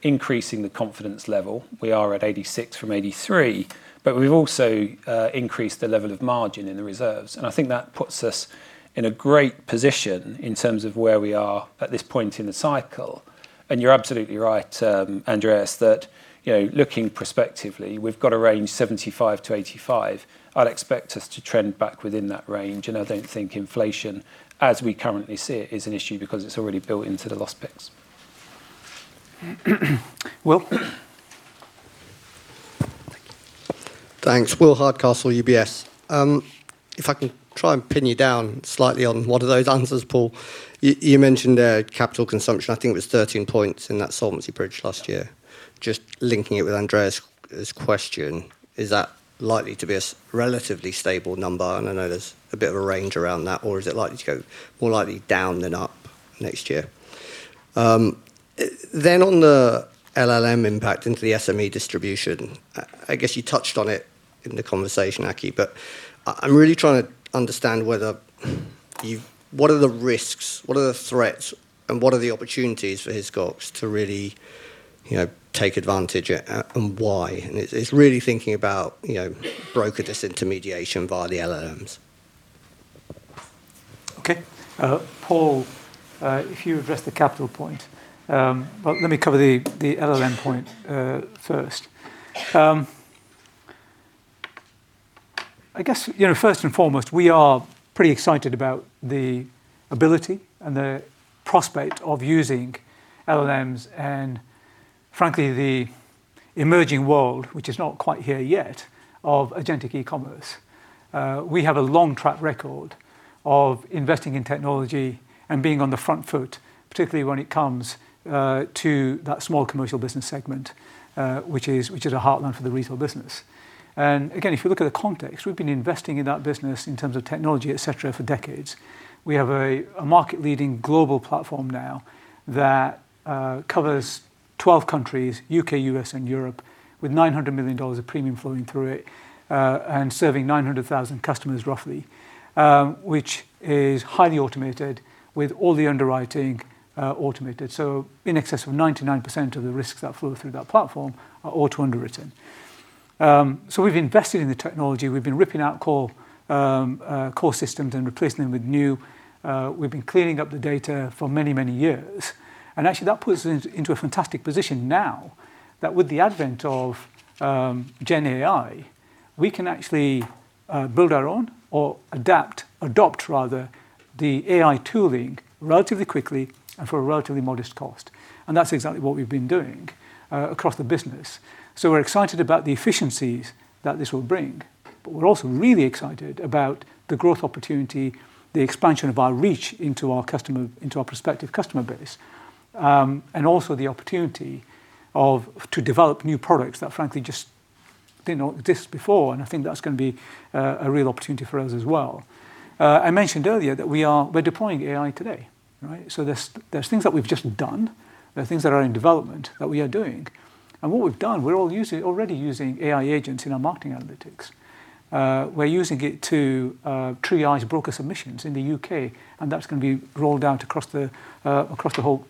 increasing the confidence level. We are at 86% from 83%, but we've also increased the level of margin in the reserves, and I think that puts us in a great position in terms of where we are at this point in the cycle. You're absolutely right, Andreas, that looking prospectively, we've got a range, 75%-85%. I'd expect us to trend back within that range, and I don't think inflation, as we currently see it, is an issue because it's already built into the loss picks. Will? Thanks. William Hardcastle, UBS. If I can try and pin you down slightly on one of those answers, Paul. You mentioned capital consumption, I think it was 13 points in that solvency bridge last year. Just linking it with Andreas's question, is that likely to be a relatively stable number? I know there's a bit of a range around that, or is it likely to go more likely down than up next year? On the LLM impact into the SME distribution, I guess you touched on it in the conversation, Aki, but I'm really trying to understand whether you What are the risks, what are the threats, and what are the opportunities for Hiscox to really, you know, take advantage and why? It's really thinking about, you know, broker disintermediation via the LLMs. Okay. Paul, if you address the capital point, let me cover the LLM point first. First and foremost, we are pretty excited about the ability and the prospect of using LLMs and frankly, the emerging world, which is not quite here yet, of agentic e-commerce. We have a long track record of investing in technology and being on the front foot, particularly when it comes to that small commercial business segment, which is a heartland for the retail business. Again, if you look at the context, we've been investing in that business in terms of technology, et cetera, for decades. We have a market-leading global platform now that covers 12 countries, U.K., U.S., and Europe, with $900 million of premium flowing through it, and serving 900,000 customers, roughly, which is highly automated, with all the underwriting automated. In excess of 99% of the risks that flow through that platform are auto underwritten. We've invested in the technology. We've been ripping out core core systems and replacing them with new. We've been cleaning up the data for many, many years. Actually, that puts us into a fantastic position now, that with the advent of GenAI, we can actually build our own or adapt, adopt rather, the AI tooling relatively quickly and for a relatively modest cost. That's exactly what we've been doing across the business. We're excited about the efficiencies that this will bring, but we're also really excited about the growth opportunity, the expansion of our reach into our prospective customer base, and also the opportunity to develop new products that frankly just did not exist before. I think that's gonna be a real opportunity for us as well. I mentioned earlier that we're deploying AI today, right? There's things that we've just done, there are things that are in development that we are doing. What we've done, we're already using AI agents in our marketing analytics. We're using it to triage broker submissions in the U.K., and that's gonna be rolled out across the whole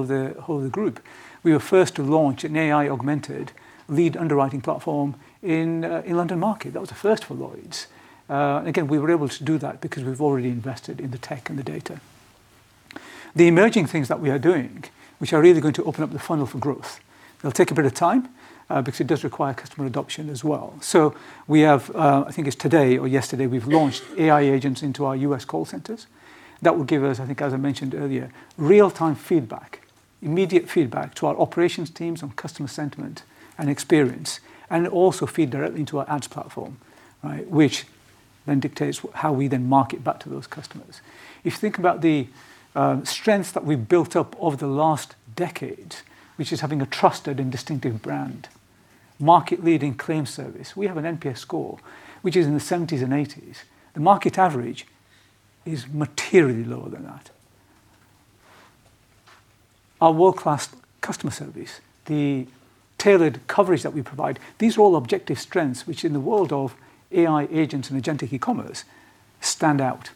of the group. We were first to launch an AI-augmented lead underwriting platform in London Market. That was a first for Lloyd's. Again, we were able to do that because we've already invested in the tech and the data. The emerging things that we are doing, which are really going to open up the funnel for growth, they'll take a bit of time because it does require customer adoption as well. We have, I think it's today or yesterday, we've launched AI agents into our U.S. call centers. That will give us, I think, as I mentioned earlier, immediate feedback to our operations teams on customer sentiment and experience, and also feed directly into our ads platform, right? Which then dictates how we then market back to those customers. If you think about the strengths that we've built up over the last decade, which is having a trusted and distinctive brand, market-leading claim service. We have an NPS score, which is in the 70s and 80s. The market average is materially lower than that. Our world-class customer service, the tailored coverage that we provide, these are all objective strengths which in the world of AI agents and agentic e-commerce stand out,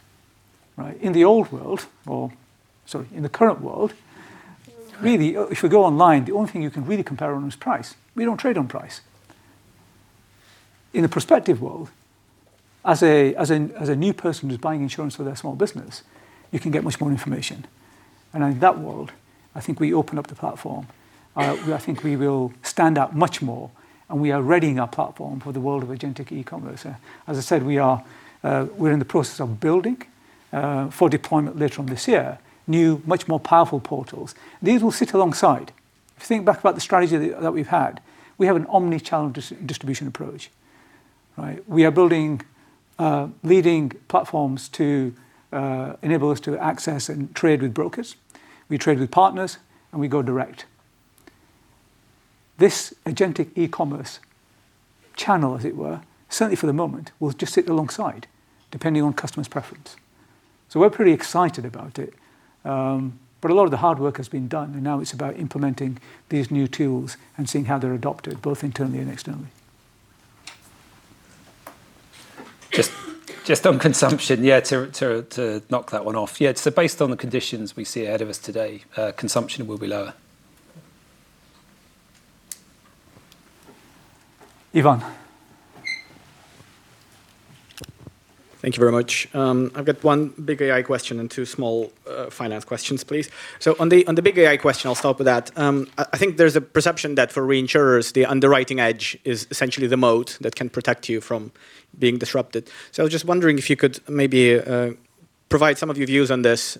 right? In the old world or, sorry, in the current world, really, if you go online, the only thing you can really compare on is price. We don't trade on price. In a prospective world, as a new person who's buying insurance for their small business, you can get much more information. In that world, we open up the platform. I think we will stand out much more, and we are readying our platform for the world of agentic e-commerce. As I said, we are, we're in the process of building, for deployment later on this year, new, much more powerful portals. These will sit alongside. If you think back about the strategy that we've had, we have an omnichannel distribution approach, right? We are building leading platforms to enable us to access and trade with brokers. We trade with partners, and we go direct. This agentic e-commerce channel, as it were, certainly for the moment, will just sit alongside, depending on customer's preference. We're pretty excited about it. A lot of the hard work has been done, and now it's about implementing these new tools and seeing how they're adopted, both internally and externally. Just on consumption, to knock that one off. Based on the conditions we see ahead of us today, consumption will be lower. Ivan? Thank you very much. I've got one big AI question and two small finance questions, please. On the big AI question, I'll start with that. I think there's a perception that for reinsurers, the underwriting edge is essentially the moat that can protect you from being disrupted. I was just wondering if you could maybe provide some of your views on this.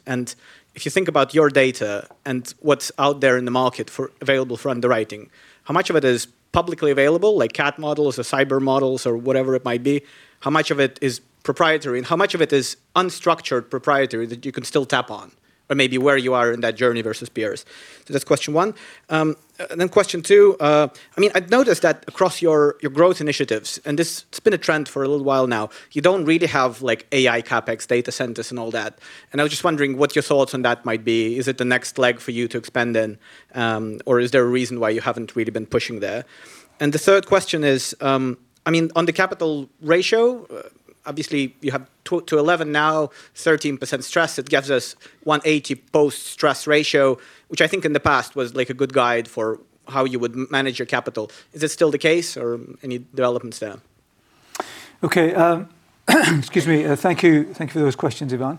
If you think about your data and what's out there in the market for available for underwriting, how much of it is publicly available, like CAT models or cyber models or whatever it might be? How much of it is proprietary, and how much of it is unstructured proprietary that you can still tap on, or maybe where you are in that journey versus peers? That's question one. Then question two, I mean, I've noticed that across your growth initiatives, and this, it's been a trend for a little while now, you don't really have, like, AI CapEx data centers and all that. I was just wondering what your thoughts on that might be. Is it the next leg for you to expand in, or is there a reason why you haven't really been pushing there? The third question is on the capital ratio, obviously, you have 2%-11% now, 13% stress, it gives us 180 post-stress ratio, which I think in the past was, like, a good guide for how you would manage your capital. Is this still the case or any developments there? Okay, excuse me. Thank you. Thank you for those questions, Ivan.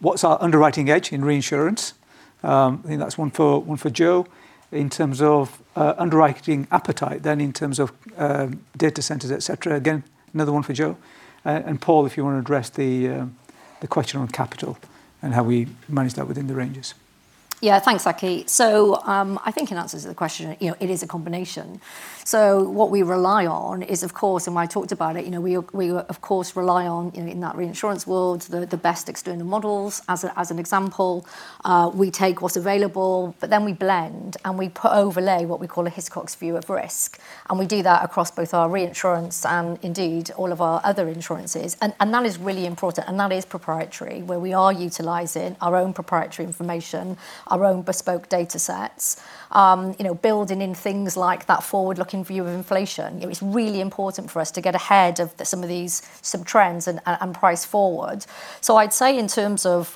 What's our underwriting edge in reinsurance? I think that's one for Jo. In terms of underwriting appetite, then in terms of data centers, et cetera, again, another one for Jo. Paul, if you want to address the question on capital and how we manage that within the ranges. Yeah, thanks, Aki. I think in answer to the question, you know, it is a combination. What we rely on is, of course, and I talked about it, you know, we, of course, rely on, you know, in that reinsurance world, the best external models. As an example, we take what's available, but then we blend and we overlay what we call a Hiscox view of risk, and we do that across both our reinsurance and indeed all of our other insurances. That is really important, and that is proprietary, where we are utilizing our own proprietary information, our own bespoke datasets, you know, building in things like that forward-looking view of inflation. It was really important for us to get ahead of some of these sub-trends and price forward. I'd say in terms of,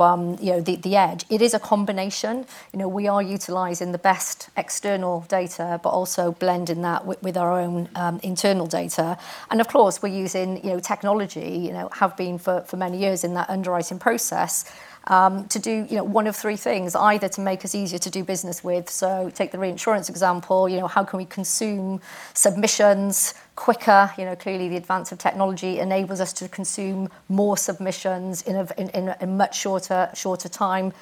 you know, the edge, it is a combination. You know, we are utilizing the best external data, but also blending that with our own internal data. Of course, we're using, you know, technology, you know, have been for many years in that underwriting process, to do one of three things: either to make it easier to do business with us. Take the reinsurance example, you know, how can we consume submissions quicker? Clearly, the advance of technology enables us to consume more submissions in a much shorter time,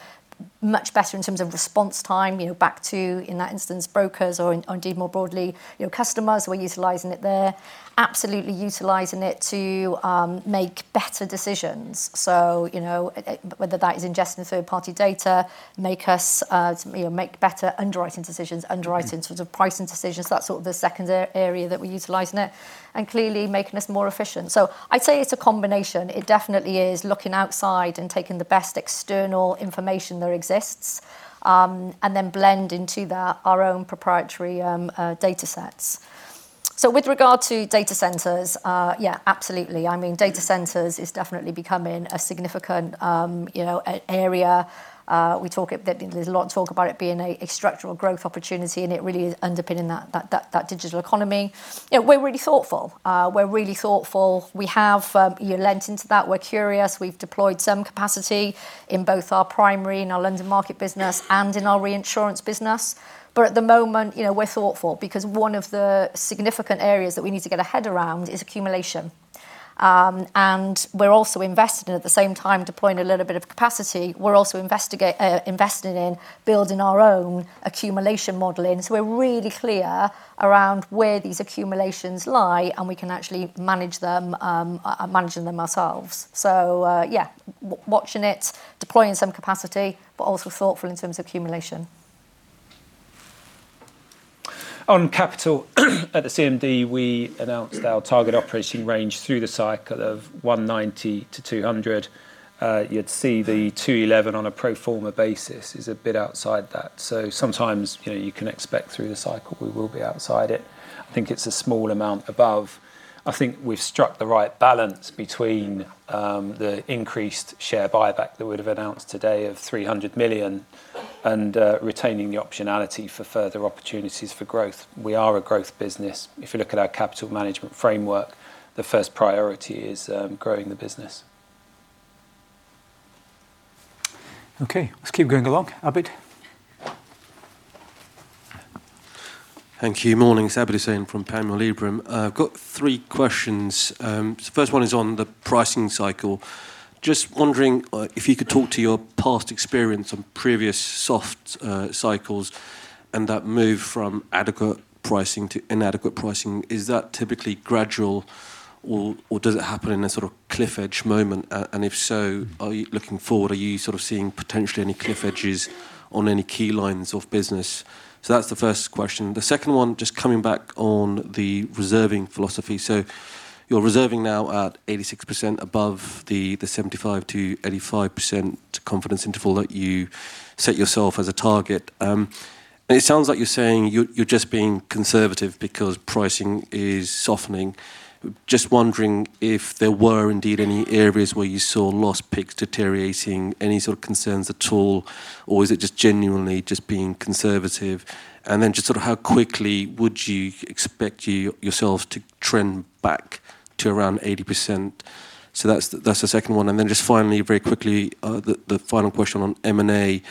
much better in terms of response time back to, in that instance, brokers or indeed more broadly, your customers, we're utilizing it there. Absolutely utilizing it to make better decisions. Whether that is ingesting third-party data, make us make better underwriting decisions, underwriting sorts of pricing decisions, that's sort of the second area that we're utilizing it, and clearly making us more efficient. I'd say it's a combination. It definitely is looking outside and taking the best external information that exists, and then blend into that our own proprietary datasets. With regard to data centers, yeah, absolutely. I mean, data centers is definitely becoming a significant area. there's a lot of talk about it being a structural growth opportunity, and it really is underpinning that, that digital economy. You know, we're really thoughtful. We're really thoughtful. We have you leant into that. We're curious. We've deployed some capacity in both our primary, in our London Market business, and in our reinsurance business. At the moment, you know, we're thoughtful because one of the significant areas that we need to get our head around is accumulation. And we're also invested in, at the same time, deploying a little bit of capacity. We're also investing in building our own accumulation modeling. We're really clear around where these accumulations lie, and we can actually manage them, managing them ourselves. Watching it, deploying some capacity, but also thoughtful in terms of accumulation. On capital, at the CMD, we announced our target operating range through the cycle of $190 million to $200 million. You'd see the 211 on a pro forma basis is a bit outside that. Sometimes, you know, you can expect through the cycle, we will be outside it. I think it's a small amount above. I think we've struck the right balance between the increased share buyback that we'd have announced today of $300 million and retaining the optionality for further opportunities for growth. We are a growth business. If you look at our capital management framework, the first priority is growing the business. Okay, let's keep going along. Abid? Thank you. Morning. It's Abid Hussain from Panmure Liberum. I've got three questions. First one is on the pricing cycle. Just wondering if you could talk to your past experience on previous soft cycles and that move from adequate pricing to inadequate pricing. Is that typically gradual or does it happen in a sort of cliff edge moment? If so, are you sort of seeing potentially any cliff edges on any key lines of business? That's the first question. The second one, just coming back on the reserving philosophy. You're reserving now at 86% above the 75%-85% confidence interval that you set yourself as a target. It sounds like you're saying you're just being conservative because pricing is softening. Just wondering if there were indeed any areas where you saw loss picks deteriorating, any sort of concerns at all, or is it just genuinely just being conservative? Just sort of how quickly would you expect yourselves to trend back to around 80%? That's the second one. Just finally, very quickly, the final question on M&A.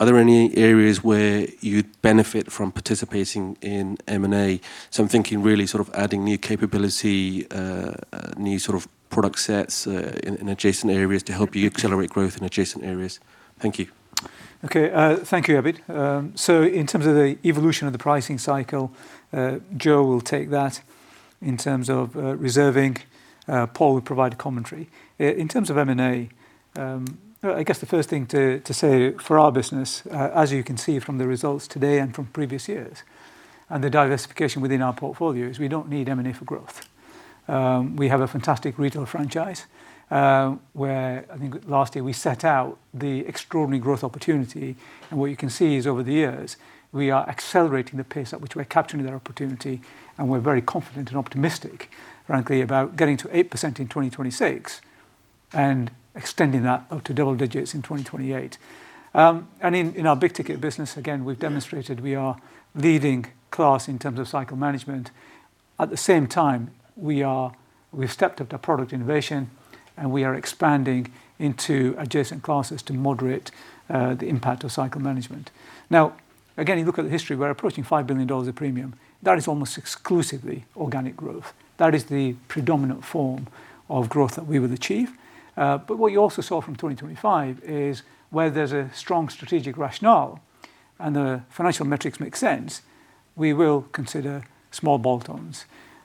Are there any areas where you'd benefit from participating in M&A? I'm thinking really sort of adding new capability, new sort of product sets, in adjacent areas to help you accelerate growth in adjacent areas. Thank you. Okay, thank you, Abid. In terms of the evolution of the pricing cycle, Jo will take that. In terms of reserving, Paul will provide a commentary. In terms of M&A, I guess the first thing to say for our business, as you can see from the results today and from previous years, and the diversification within our portfolio, is we don't need M&A for growth. We have a fantastic retail franchise, where I think last year we set out the extraordinary growth opportunity, and what you can see is over the years, we are accelerating the pace at which we're capturing that opportunity, and we're very confident and optimistic, frankly, about getting to 8% in 2026 and extending that up to double digits in 2028. In our big ticket business, again, we've demonstrated we are leading class in terms of cycle management. At the same time, we've stepped up the product innovation, and we are expanding into adjacent classes to moderate the impact of cycle management. Now, again, you look at the history, we're approaching $5 billion of premium. That is almost exclusively organic growth. That is the predominant form of growth that we will achieve. What you also saw from 2025 is where there's a strong strategic rationale and the financial metrics make sense, we will consider small bolt-ons.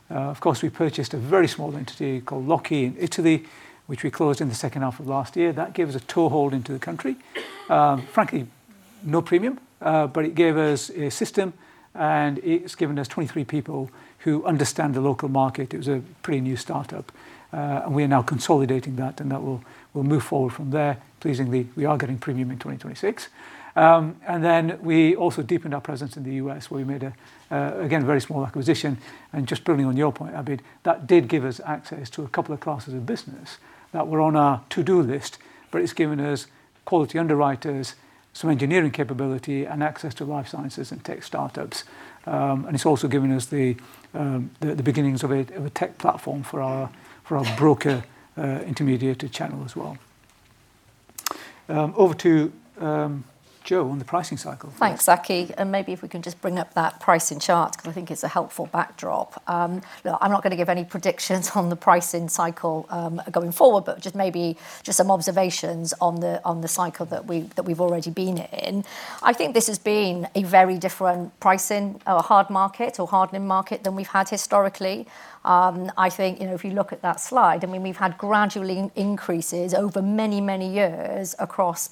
Of course, we purchased a very small entity called Lokky in Italy, which we closed in the second half of last year. That gave us a toehold into the country. Frankly, no premium, but it gave us a system, and it's given us 23 people who understand the local market. It was a pretty new startup, and we are now consolidating that, and that will move forward from there. Pleasingly, we are getting premium in 2026. We also deepened our presence in the US, where we made a, again, a very small acquisition. Just building on your point, Abid, that did give us access to a couple of classes of business that were on our to-do list, but it's given us quality underwriters, some engineering capability, and access to life sciences and tech startups. It's also given us the beginnings of a tech platform for our broker intermediated channel as well. Over to Jo, on the pricing cycle. Thanks, Aki. Maybe if we can just bring up that pricing chart, 'cause I think it's a helpful backdrop. Look, I'm not gonna give any predictions on the pricing cycle going forward, but just maybe just some observations on the cycle that we've already been in. I think this has been a very different pricing or hard market or hardening market than we've had historically. I think, you know, if you look at that slide, I mean, we've had gradually increases over many, many years across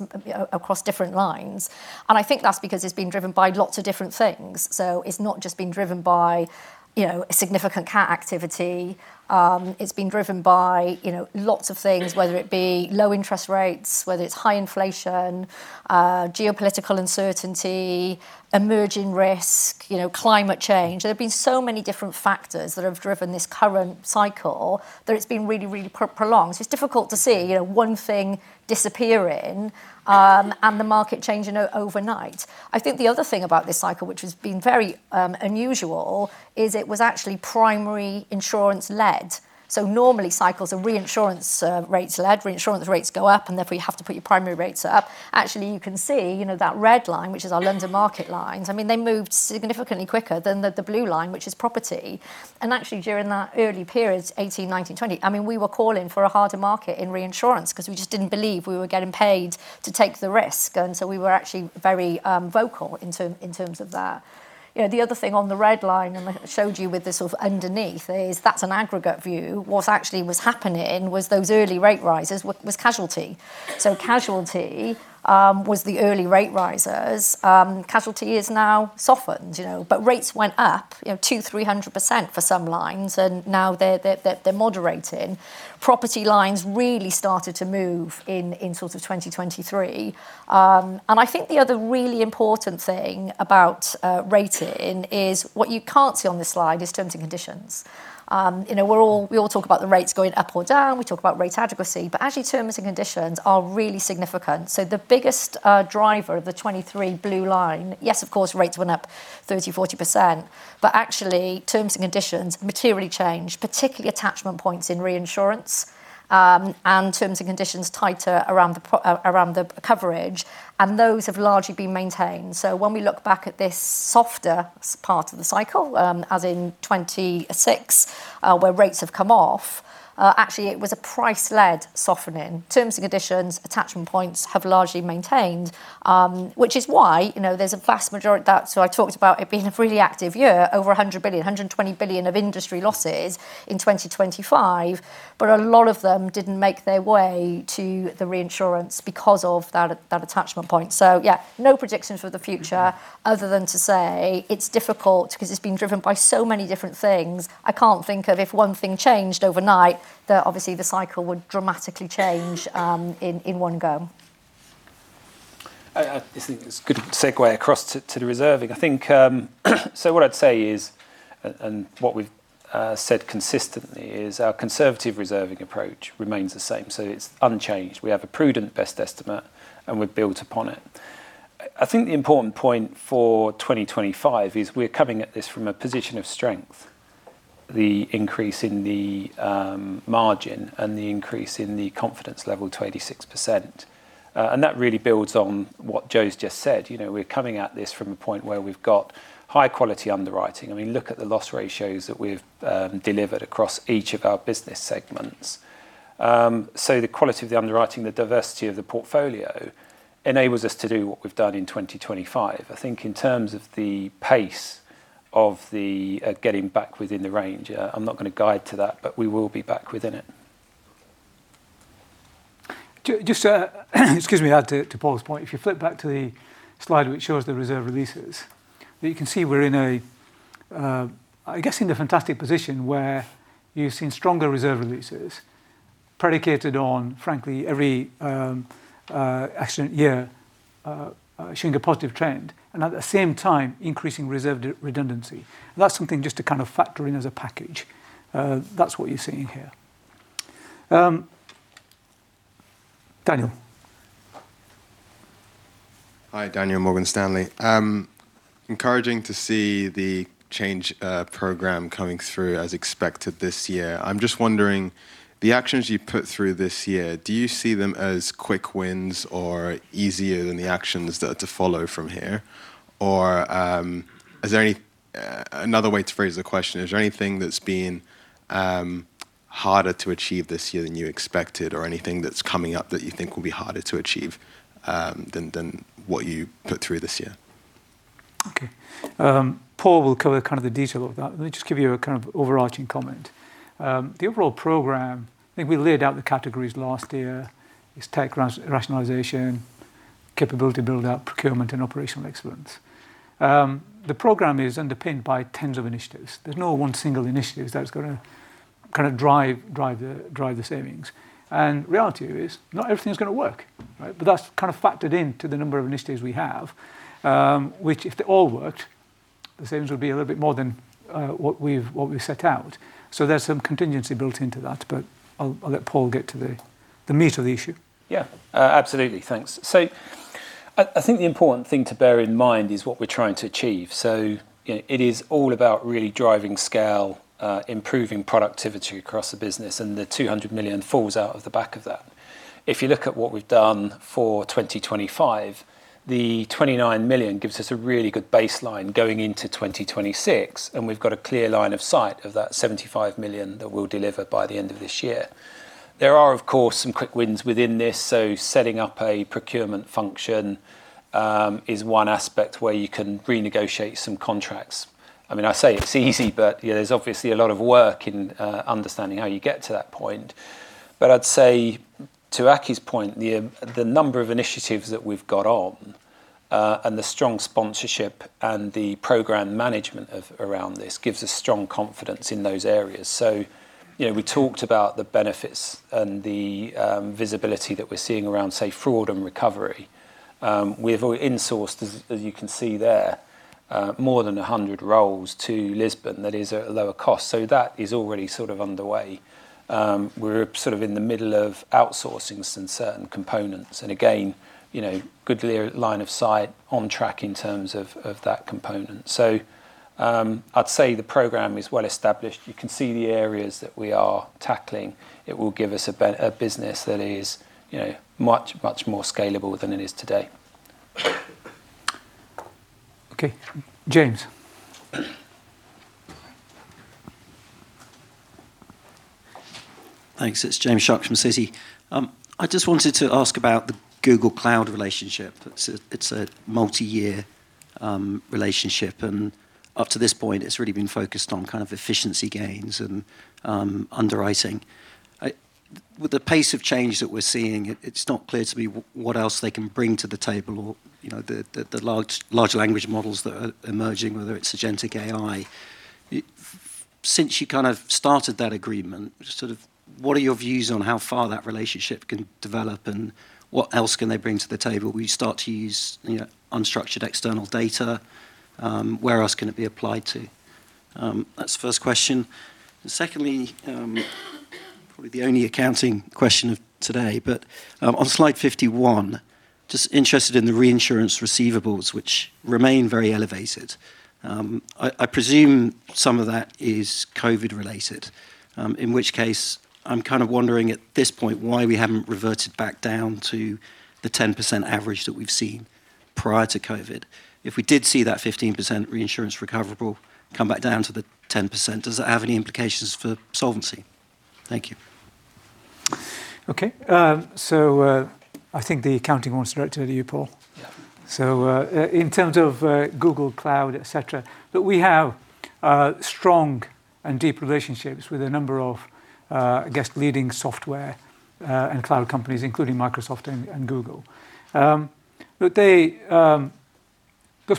different lines, and I think that's because it's been driven by lots of different things. It's not just been driven by, you know, a significant cat activity. It's been driven by, you know, lots of things, whether it be low interest rates, whether it's high inflation, geopolitical uncertainty, emerging risk, you know, climate change. There have been so many different factors that have driven this current cycle, that it's been really, really prolonged. It's difficult to see, you know, one thing disappearing, and the market changing overnight. I think the other thing about this cycle, which has been very unusual, is it was actually primary insurance-led. Normally, cycles are reinsurance rates-led. Reinsurance rates go up, and therefore, you have to put your primary rates up. Actually, you can see, you know, that red line, which is our London Market lines, I mean, they moved significantly quicker than the blue line, which is property. Actually, during that early periods, 2018, 2019, 2020, I mean, we were calling for a harder market in reinsurance because we just didn't believe we were getting paid to take the risk, and so we were actually very vocal in terms of that. You know, the other thing on the red line, and I showed you with the sort of underneath, is that's an aggregate view. What actually was happening was those early rate rises was casualty. Casualty was the early rate risers. Casualty has now softened, you know, but rates went up, you know, 200%-300% for some lines, and now they're moderating. Property lines really started to move in sort of 2023. I think the other really important thing about rating is what you can't see on this slide is terms and conditions. You know, we all talk about the rates going up or down, we talk about rate adequacy, but actually, terms and conditions are really significant. The biggest driver of the 2023 blue line, yes, of course, rates went up 30%-40%, but actually, terms and conditions materially changed, particularly attachment points in reinsurance, and terms and conditions tighter around the pro- around the coverage, and those have largely been maintained. When we look back at this softer part of the cycle, as in 2006, where rates have come off, actually it was a price-led softening. Terms and conditions, attachment points have largely maintained, which is why, there's a vast majority. I talked about it being a really active year, over $100 billion, $120 billion of industry losses in 2025, but a lot of them didn't make their way to the reinsurance because of that attachment point. Yeah, no predictions for the future other than to say it's difficult because it's been driven by so many different things. I can't think of if one thing changed overnight, that obviously the cycle would dramatically change in one go. I think it's a good segue across to the reserving. I think what I'd say is, and what we've said consistently, is our conservative reserving approach remains the same, so it's unchanged. We have a prudent best estimate, and we've built upon it. I think the important point for 2025 is we're coming at this from a position of strength. The increase in the margin and the increase in the confidence level to 86%. That really builds on what Jo's just said. You know, we're coming at this from a point where we've got high-quality underwriting. I mean, look at the loss ratios that we've delivered across each of our business segments. The quality of the underwriting, the diversity of the portfolio, enables us to do what we've done in 2025. I think in terms of the pace of the getting back within the range, I'm not gonna guide to that, but we will be back within it. Just to, excuse me, add to Paul's point. If you flip back to the slide which shows the reserve releases, you can see we're in a, I guess, in a fantastic position where you've seen stronger reserve releases predicated on, frankly, every accident year showing a positive trend, and at the same time, increasing reserve redundancy. That's something just to kind of factor in as a package. That's what you're seeing here. Daniel. Hi, Daniel, Morgan Stanley. Encouraging to see the change program coming through as expected this year. I'm just wondering, the actions you put through this year, do you see them as quick wins or easier than the actions that are to follow from here? Another way to phrase the question, is there anything that's been harder to achieve this year than you expected, or anything that's coming up that you think will be harder to achieve than what you put through this year? Okay. Paul will cover kind of the detail of that. Let me just give you a kind of overarching comment. The overall program, I think we laid out the categories last year, is tech rationalization, capability build-out, procurement, and operational excellence. The program is underpinned by tens of initiatives. There's no one single initiative that's gonna kinda drive the savings. Reality is, not everything is gonna work, right? That's kind of factored into the number of initiatives we have, which, if they all worked, the savings would be a little bit more than what we've set out. There's some contingency built into that, but I'll let Paul get to the meat of the issue. Yeah. Absolutely. Thanks. I think the important thing to bear in mind is what we're trying to achieve. You know, it is all about really driving scale, improving productivity across the business, and the $200 million falls out of the back of that. If you look at what we've done for 2025, the $29 million gives us a really good baseline going into 2026, and we've got a clear line of sight of that $75 million that we'll deliver by the end of this year. There are, of course, some quick wins within this, so setting up a procurement function is one aspect where you can renegotiate some contracts. I mean, I say it's easy, but there's obviously a lot of work in understanding how you get to that point. I'd say, to Aki's point, the number of initiatives that we've got on, and the strong sponsorship and the program management of around this, gives us strong confidence in those areas. You know, we talked about the benefits and the visibility that we're seeing around, say, fraud and recovery. We've insourced, as you can see there, more than 100 roles to Lisbon, that is at a lower cost. That is already sort of underway. We're sort of in the middle of outsourcing some certain components, and again, you know, good clear line of sight on track in terms of that component. I'd say the program is well established. You can see the areas that we are tackling. It will give us a business that is, you know, much, much more scalable than it is today. Okay. James? Thanks. It's James Shuck from Citi. I just wanted to ask about the Google Cloud relationship. It's a multi-year relationship, and up to this point, it's really been focused on kind of efficiency gains and underwriting. With the pace of change that we're seeing, it's not clear to me what else they can bring to the table or, you know, the large language models that are emerging, whether it's agentic AI. Since you kind of started that agreement, just sort of what are your views on how far that relationship can develop, and what else can they bring to the table? Will you start to use, you know, unstructured external data? Where else can it be applied to? That's the first question. Secondly, probably the only accounting question of today, on slide 51, just interested in the reinsurance receivables, which remain very elevated. I presume some of that is COVID-related, in which case, I'm kind of wondering at this point, why we haven't reverted back down to the 10% average that we've seen prior to COVID. If we did see that 15% reinsurance recoverable come back down to the 10%, does that have any implications for solvency? Thank you. Okay. I think the accounting one's directed to you, Paul. In terms of Google Cloud, et cetera, look, we have strong and deep relationships with a number of, I guess, leading software and cloud companies, including Microsoft and Google. Those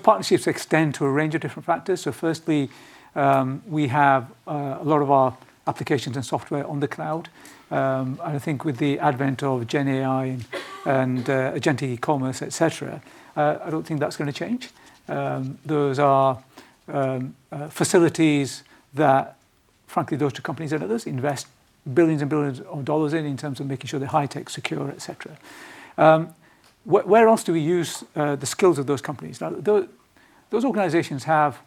partnerships extend to a range of different factors. Firstly, we have a lot of our applications and software on the cloud. I think with the advent of Gen AI and agentic commerce, et cetera, I don't think that's going to change. Those are facilities that, frankly, those two companies and others invest billions and billions of dollars in terms of making sure they're high tech, secure, et cetera. Where else do we use the skills of those companies? Now, those organizations have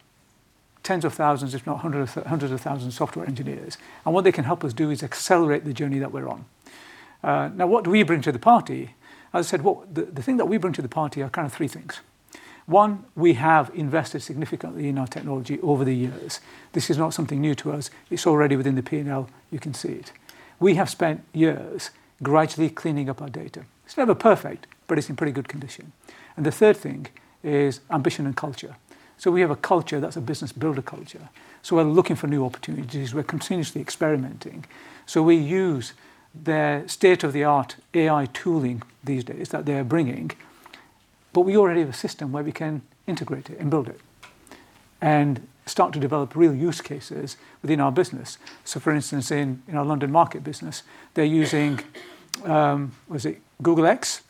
tens of thousands, if not hundreds of thousands of software engineers, and what they can help us do is accelerate the journey that we're on. Now, what do we bring to the party? As I said, the thing that we bring to the party are kind of 3 things. One, we have invested significantly in our technology over the years. This is not something new to us. It's already within the P&L. You can see it. We have spent years gradually cleaning up our data. It's never perfect, but it's in pretty good condition. The third thing is ambition and culture. We have a culture that's a business builder culture, so we're looking for new opportunities. We're continuously experimenting. We use their state-of-the-art AI tooling these days that they are bringing, but we already have a system where we can integrate it and build it and start to develop real use cases within our business. For instance, in our London Market business, they're using, was it Google X?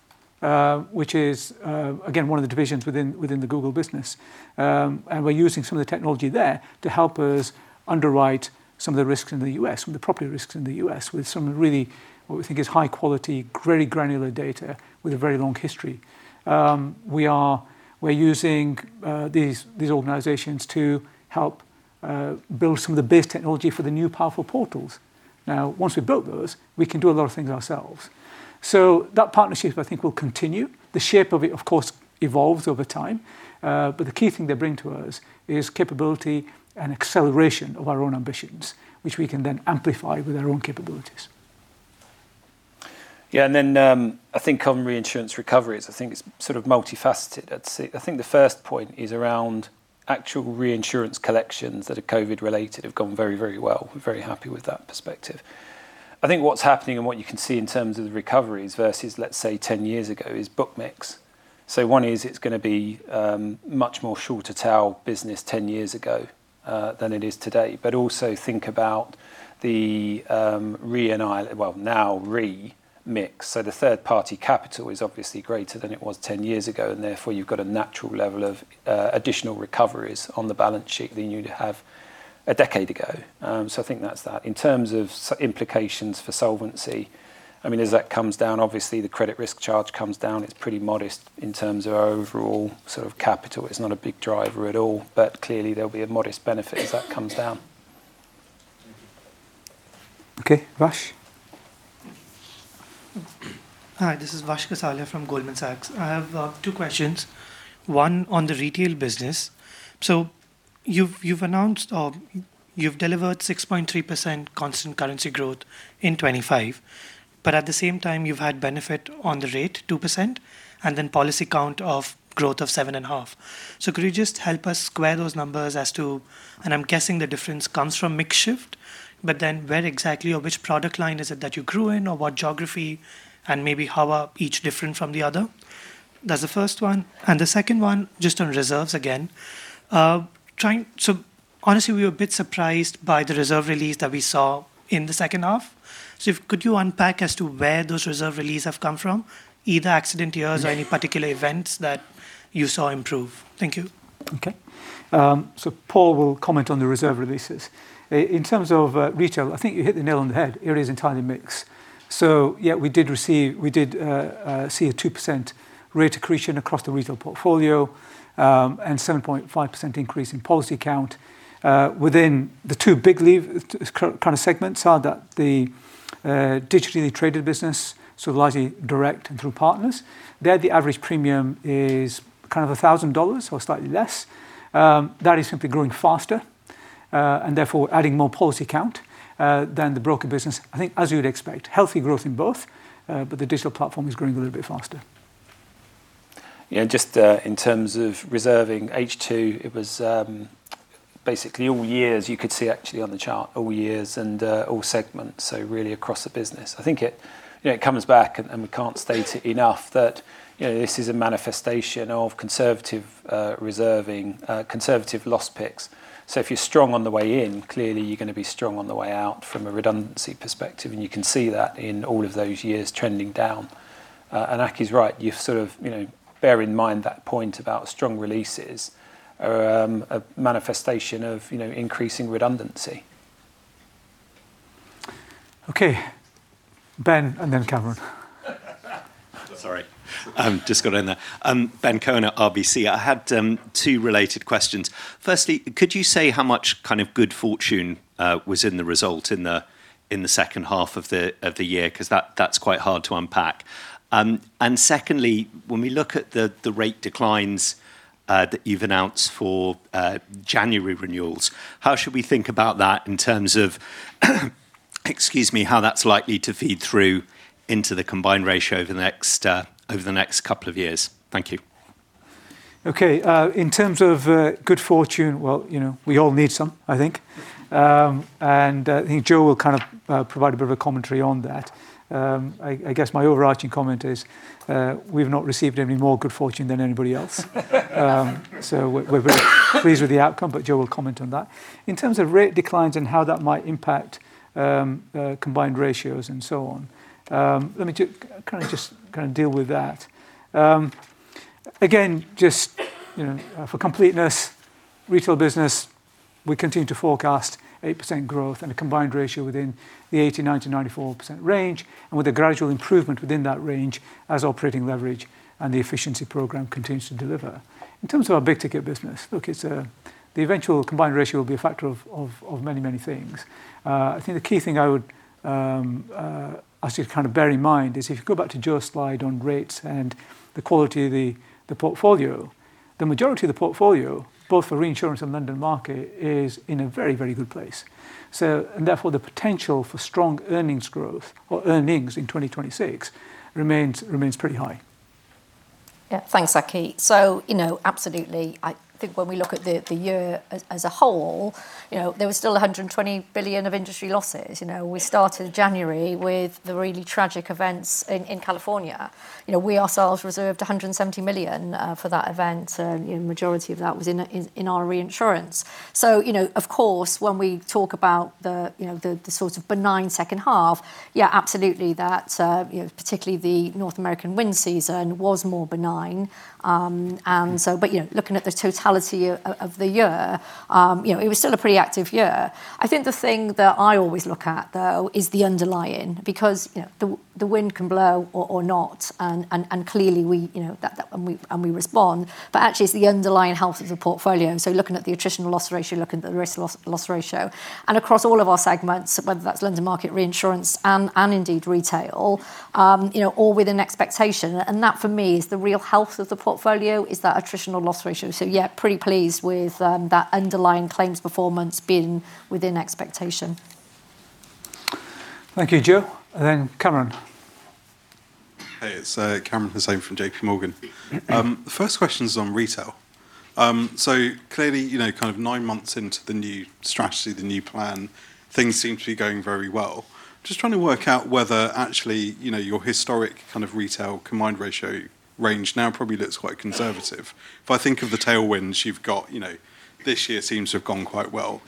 Which is, again, one of the divisions within the Google business. And we're using some of the technology there to help us underwrite some of the risks in the U.S., some of the property risks in the U.S., with some really, what we think is high quality, very granular data with a very long history. We're using these organizations to help build some of the base technology for the new powerful portals. Once we've built those, we can do a lot of things ourselves. That partnership, I think, will continue. The shape of it, of course, evolves over time, but the key thing they bring to us is capability and acceleration of our own ambitions, which we can then amplify with our own capabilities. Yeah, I think on reinsurance recoveries, I think it's sort of multifaceted. I'd say, I think the first point is around actual reinsurance collections that are COVID-related, have gone very, very well. We're very happy with that perspective. I think what's happening and what you can see in terms of the recoveries versus, let's say, 10 years ago, is book mix. One is it's gonna be much more short to tail business 10 years ago than it is today. Also think about the, Well, now re-mix. The third-party capital is obviously greater than it was 10 years ago, and therefore, you've got a natural level of additional recoveries on the balance sheet than you'd have a decade ago. I think that's that. In terms of implications for solvency, I mean, as that comes down, obviously, the credit risk charge comes down. It's pretty modest in terms of our overall sort of capital. It's not a big driver at all, but clearly, there will be a modest benefit as that comes down. Thank you. Okay, Vash? Hi, this is Vash Gosalia from Goldman Sachs. I have two questions, one on the retail business. You've announced or you've delivered 6.3% constant currency growth in 2025, but at the same time, you've had benefit on the rate, 2%, and then policy count of growth of 7.5. Could you just help us square those numbers as to... I'm guessing the difference comes from mix shift, where exactly or which product line is it that you grew in or what geography, and maybe how are each different from the other? That's the first one. The second one, just on reserves again. Honestly, we were a bit surprised by the reserve release that we saw in the second half. Could you unpack as to where those reserve releases have come from, either accident years or any particular events that you saw improve? Thank you. Paul will comment on the reserve releases. In terms of retail, I think you hit the nail on the head. It is entirely mix. Yeah, we did see a 2% rate accretion across the retail portfolio, and 7.5% increase in policy count. Within the two big kind of segments are the digitally traded business, so largely direct and through partners. There, the average premium is kind of $1,000 or slightly less. That is simply growing faster, and therefore, adding more policy count than the broker business. I think, as you would expect, healthy growth in both, but the digital platform is growing a little bit faster. Yeah, just in terms of reserving H2, it was basically all years you could see actually on the chart, all years and all segments, so really across the business. I think it, you know, it comes back, and we can't state it enough, that, you know, this is a manifestation of conservative reserving, conservative loss picks. If you're strong on the way in, clearly you're going to be strong on the way out from a redundancy perspective, and you can see that in all of those years trending down. Aki's right, you sort of, you know, bear in mind that point about strong releases are a manifestation of, you know, increasing redundancy. Okay. Ben, and then Cameron. Sorry, I'm just got in there. Ben Cohen, RBC. I had two related questions. Firstly, could you say how much kind of good fortune was in the result in the second half of the year? 'Cause that's quite hard to unpack. Secondly, when we look at the rate declines that you've announced for January renewals, how should we think about that in terms of, excuse me, how that's likely to feed through into the combined ratio over the next couple of years? Thank you. Okay, in terms of good fortune, well, you know, we all need some, I think. I think Jo will kind of provide a bit of a commentary on that. I guess my overarching comment is, we've not received any more good fortune than anybody else. We're very pleased with the outcome, but Jo will comment on that. In terms of rate declines and how that might impact combined ratios and so on, let me just kind of deal with that. Again, just, you know, for completeness, retail business, we continue to forecast 8% growth and a combined ratio within the 89%-94% range, and with a gradual improvement within that range as operating leverage and the efficiency program continues to deliver. In terms of our big ticket business, look, it's the eventual combined ratio will be a factor of many things. I think the key thing I would ask you to kind of bear in mind is, if you go back to Jo's slide on rates and the quality of the portfolio, the majority of the portfolio, both for reinsurance and London Market, is in a very good place. Therefore, the potential for strong earnings growth or earnings in 2026 remains pretty high. Yeah. Thanks, Aki. you know, absolutely, I think when we look at the year as a whole, you know, there was still $120 billion of industry losses. You know, we started January with the really tragic events in California. You know, we ourselves reserved $170 million for that event, and the majority of that was in our reinsurance. you know, of course, when we talk about the, you know, the sort of benign second half, yeah, absolutely that, you know, particularly the North American wind season was more benign. you know, looking at the totality of the year, you know, it was still a pretty active year. I think the thing that I always look at, though, is the underlying, because, you know, the wind can blow or not, and clearly we, you know, that, and we respond, but actually it's the underlying health of the portfolio. Looking at the attritional loss ratio, looking at the risk loss ratio. Across all of our segments, whether that's London Market, reinsurance, and indeed retail, you know, all within expectation. That, for me, is the real health of the portfolio, is that attritional loss ratio. Yeah, pretty pleased with that underlying claims performance being within expectation. Thank you, Jo. Cameron. Hey, it's Kamran Hossain from JPMorgan. The first question is on retail. Clearly, you know, kind of nine months into the new strategy, the new plan, things seem to be going very well. Just trying to work out whether actually, you know, your historic kind of retail combined ratio range now probably looks quite conservative. If I think of the tailwinds you've got, you know, this year seems to have gone quite well.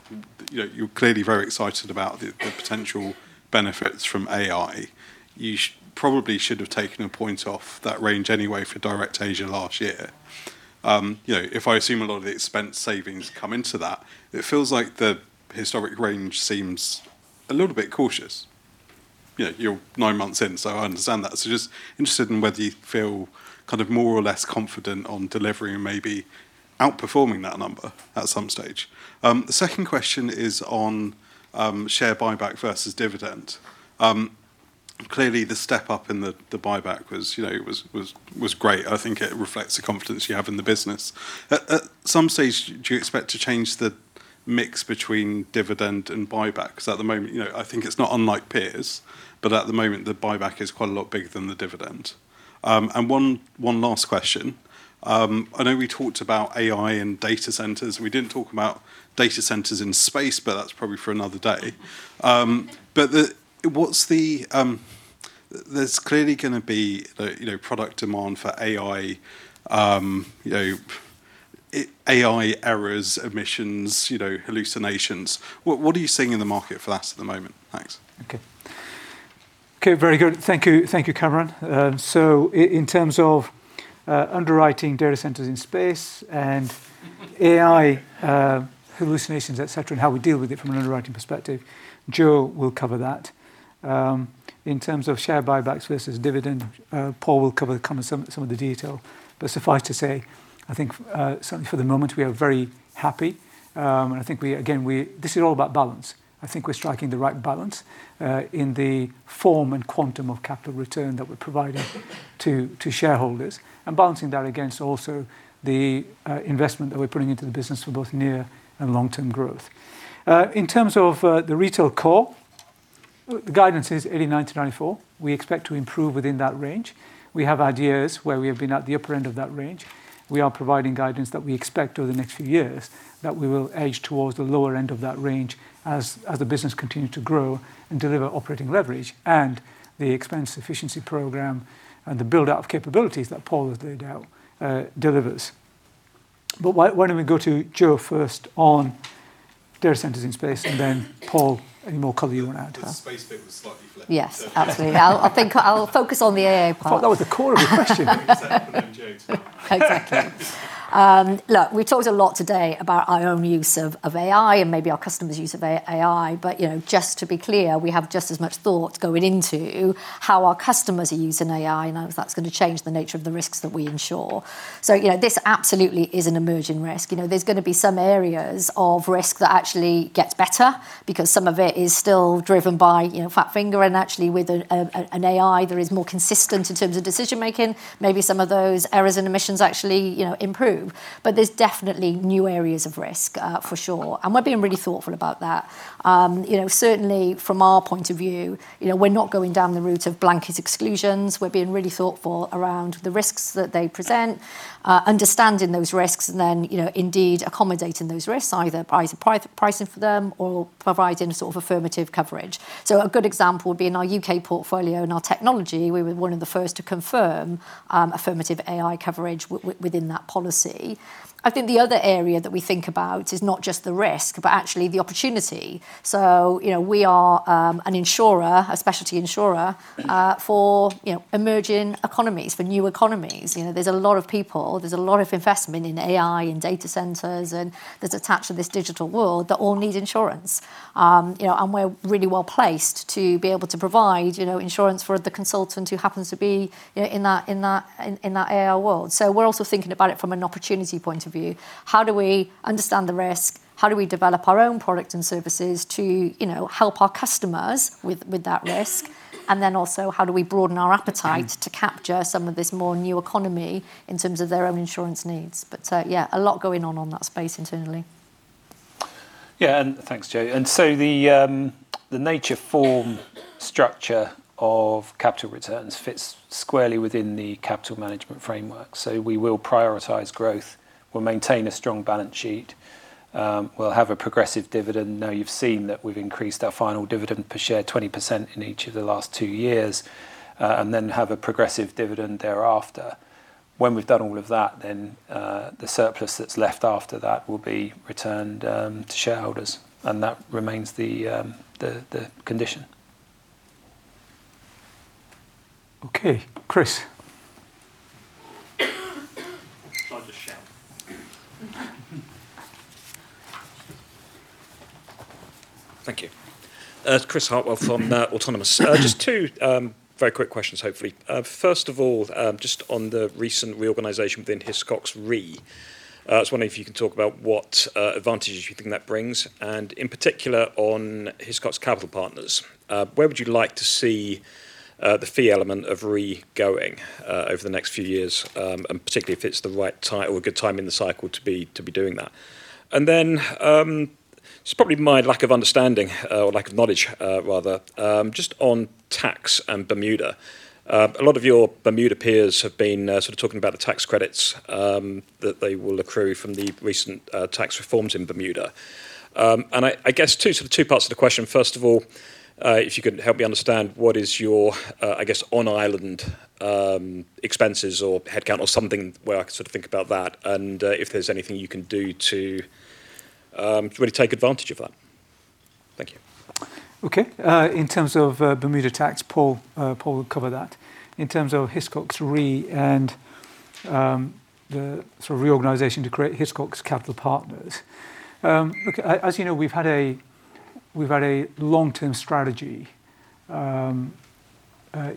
You know, you're clearly very excited about the potential benefits from AI. You probably should have taken one point off that range anyway for DirectAsia last year. You know, if I assume a lot of the expense savings come into that, it feels like the historic range seems a little bit cautious. You know, you're nine months in, I understand that. Just interested in whether you feel kind of more or less confident on delivering and maybe outperforming that number at some stage. The second question is on share buyback versus dividend. Clearly, the step up in the buyback was, you know, it was great. I think it reflects the confidence you have in the business. At some stage, do you expect to change the mix between dividend and buybacks? At the moment, you know, I think it's not unlike peers, but at the moment, the buyback is quite a lot bigger than the dividend. One last question. I know we talked about AI and data centers, and we didn't talk about data centers in space, but that's probably for another day. What's the? There's clearly going to be, you know, product demand for AI, you know, AI errors, omissions, you know, hallucinations. What, what are you seeing in the market for that at the moment? Thanks. Okay. Okay, very good. Thank you. Thank you, Kamran. So in terms of underwriting data centers in space and AI hallucinations, et cetera, and how we deal with it from an underwriting perspective, Jo will cover that. In terms of share buybacks versus dividend, Paul will cover the, kind of, some of the detail. Suffice to say, I think, certainly for the moment, we are very happy. I think we again, we this is all about balance. I think we're striking the right balance, in the form and quantum of capital return that we're providing to shareholders, and balancing that against also the investment that we're putting into the business for both near and long-term growth. In terms of the retail core-... The guidance is 89%-94%. We expect to improve within that range. We have had years where we have been at the upper end of that range. We are providing guidance that we expect over the next few years, that we will edge towards the lower end of that range as the business continues to grow and deliver operating leverage, and the expense efficiency program and the build-out of capabilities that Paul has laid out, delivers. Why don't we go to Jo first on data centers in space, and then Paul, any more color you want to add? The space bit was slightly flipped. Yes, absolutely. I think I'll focus on the AI part. I thought that was the core of the question. Exactly. Look, we talked a lot today about our own use of AI and maybe our customers' use of AI. You know, just to be clear, we have just as much thought going into how our customers are using AI, and how that's going to change the nature of the risks that we insure. You know, this absolutely is an emerging risk. You know, there's going to be some areas of risk that actually gets better because some of it is still driven by, you know, fat finger. Actually, with an AI that is more consistent in terms of decision-making, maybe some of those errors and omissions actually, you know, improve. There's definitely new areas of risk for sure, and we're being really thoughtful about that. You know, certainly from our point of view, you know, we're not going down the route of blanket exclusions. We're being really thoughtful around the risks that they present, understanding those risks, and then, you know, indeed accommodating those risks, either by pricing for them or providing a sort of affirmative coverage. A good example would be in our U.K. portfolio and our technology, we were one of the first to confirm affirmative AI coverage within that policy. I think the other area that we think about is not just the risk, but actually the opportunity. You know, we are an insurer, a specialty insurer, for, you know, emerging economies, for new economies. You know, there's a lot of people, there's a lot of investment in AI and data centers. That's attached to this digital world, that all need insurance. You know, we're really well-placed to be able to provide, you know, insurance for the consultant who happens to be, you know, in that AI world. We're also thinking about it from an opportunity point of view. How do we understand the risk? How do we develop our own products and services to, you know, help our customers with that risk? Also, how do we broaden our appetite to capture some of this more new economy in terms of their own insurance needs? Yeah, a lot going on on that space internally. Yeah, thanks, Jo. The nature form structure of capital returns fits squarely within the capital management framework. We will prioritize growth. We'll maintain a strong balance sheet. We'll have a progressive dividend. Now, you've seen that we've increased our final dividend per share 20% in each of the last two years, then have a progressive dividend thereafter. When we've done all of that, then the surplus that's left after that will be returned to shareholders, and that remains the the condition. Okay. Chris? Thank you. It's Chris Hartwell from Autonomous. Just two very quick questions, hopefully. First of all, just on the recent reorganization within Hiscox Re, I was wondering if you can talk about what advantages you think that brings, and in particular, on Hiscox Capital Partners. Where would you like to see the fee element of Re going over the next few years? Particularly if it's the right time or a good time in the cycle to be doing that. Then it's probably my lack of understanding, or lack of knowledge, rather, just on tax and Bermuda. A lot of your Bermuda peers have been sort of talking about the tax credits that they will accrue from the recent tax reforms in Bermuda. I guess 2, sort of 2 parts to the question: first of all, if you could help me understand what is your, I guess, on-island, expenses or headcount or something, where I can sort of think about that, and, if there's anything you can do to, really take advantage of that. Thank you. Okay. In terms of Bermuda tax, Paul will cover that. In terms of Hiscox Re and the sort of reorganization to create Hiscox Capital Partners, look, as you know, we've had a long-term strategy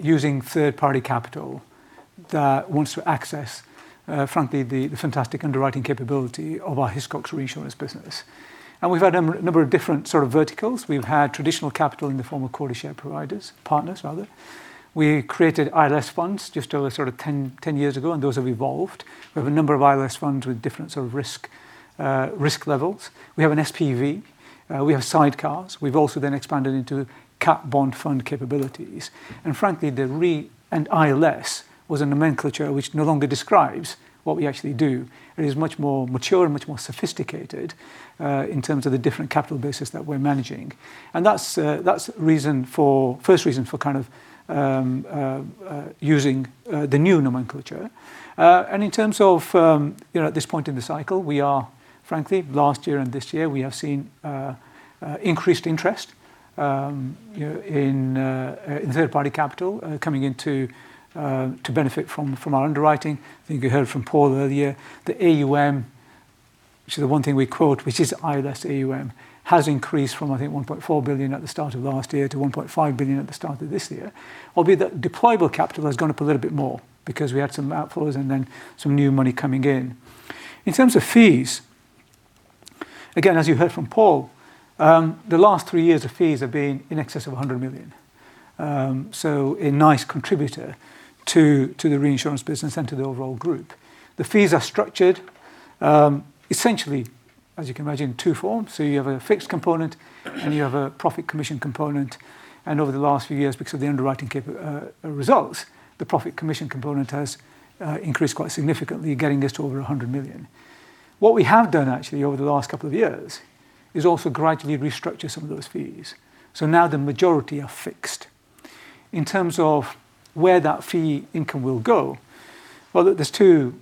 using third-party capital that wants to access, frankly, the fantastic underwriting capability of our Hiscox Reinsurance business. We've had a number of different sort of verticals. We've had traditional capital in the form of quota share providers, partners, rather. We created ILS funds just over sort of 10 years ago, and those have evolved. We have a number of ILS funds with different sort of risk levels. We have an SPV, we have sidecars. We've also then expanded into cat bond fund capabilities. Frankly, the Re and ILS was a nomenclature which no longer describes what we actually do. It is much more mature and much more sophisticated, in terms of the different capital bases that we're managing. That's the first reason for kind of, using the new nomenclature. In terms of, you know, at this point in the cycle, we are frankly, last year and this year, we have seen increased interest, you know, in third-party capital, coming into benefit from our underwriting. I think you heard from Paul earlier, the AUM, which is the one thing we quote, which is ILS AUM, has increased from, I think, $1.4 billion at the start of last year to $1.5 billion at the start of this year. Albeit, the deployable capital has gone up a little bit more because we had some outflows and then some new money coming in. In terms of fees, again, as you heard from Paul, the last 3 years of fees have been in excess of $100 million. A nice contributor to the reinsurance business and to the overall group. The fees are structured, essentially, as you can imagine, in 2 forms. You have a fixed component, and you have a profit commission component. Over the last few years, because of the underwriting results, the profit commission component has increased quite significantly, getting this to over $100 million. What we have done actually over the last couple of years, is also gradually restructure some of those fees. Now the majority are fixed. In terms of where that fee income will go, well, there's 2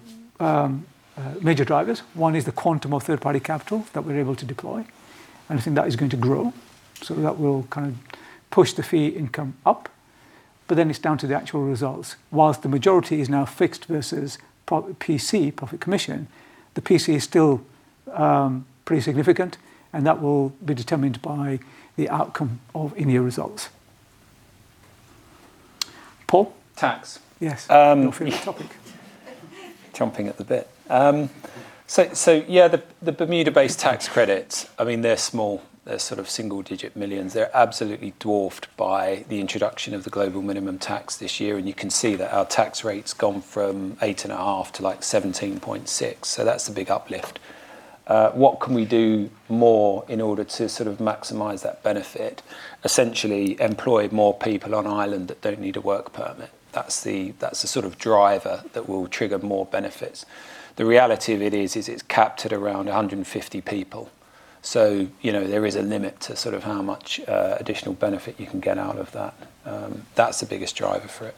major drivers. One is the quantum of third-party capital that we're able to deploy, and I think that is going to grow. That will kind of push the fee income up. It's down to the actual results. Whilst the majority is now fixed versus PC, profit commission, the PC is still pretty significant, and that will be determined by the outcome of any results. Paul? Chomping at the bit. Yeah, the Bermuda-based tax credits, I mean, they're small. They're sort of single-digit millions. They're absolutely dwarfed by the introduction of the global minimum tax this year, and you can see that our tax rate's gone from 8.5%-17.6%, so that's a big uplift. What can we do more in order to sort of maximize that benefit? Essentially, employ more people on island that don't need a work permit. That's the sort of driver that will trigger more benefits. The reality of it is it's capped at around 150 people. You know, there is a limit to sort of how much additional benefit you can get out of that. That's the biggest driver for it.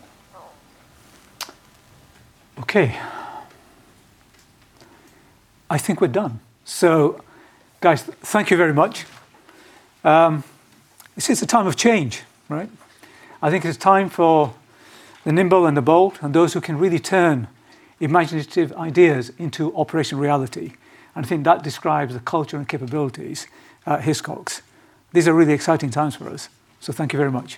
I think we're done. Guys, thank you very much. This is a time of change, right? I think it's time for the nimble and the bold, and those who can really turn imaginative ideas into operational reality, and I think that describes the culture and capabilities at Hiscox. These are really exciting times for us, thank you very much.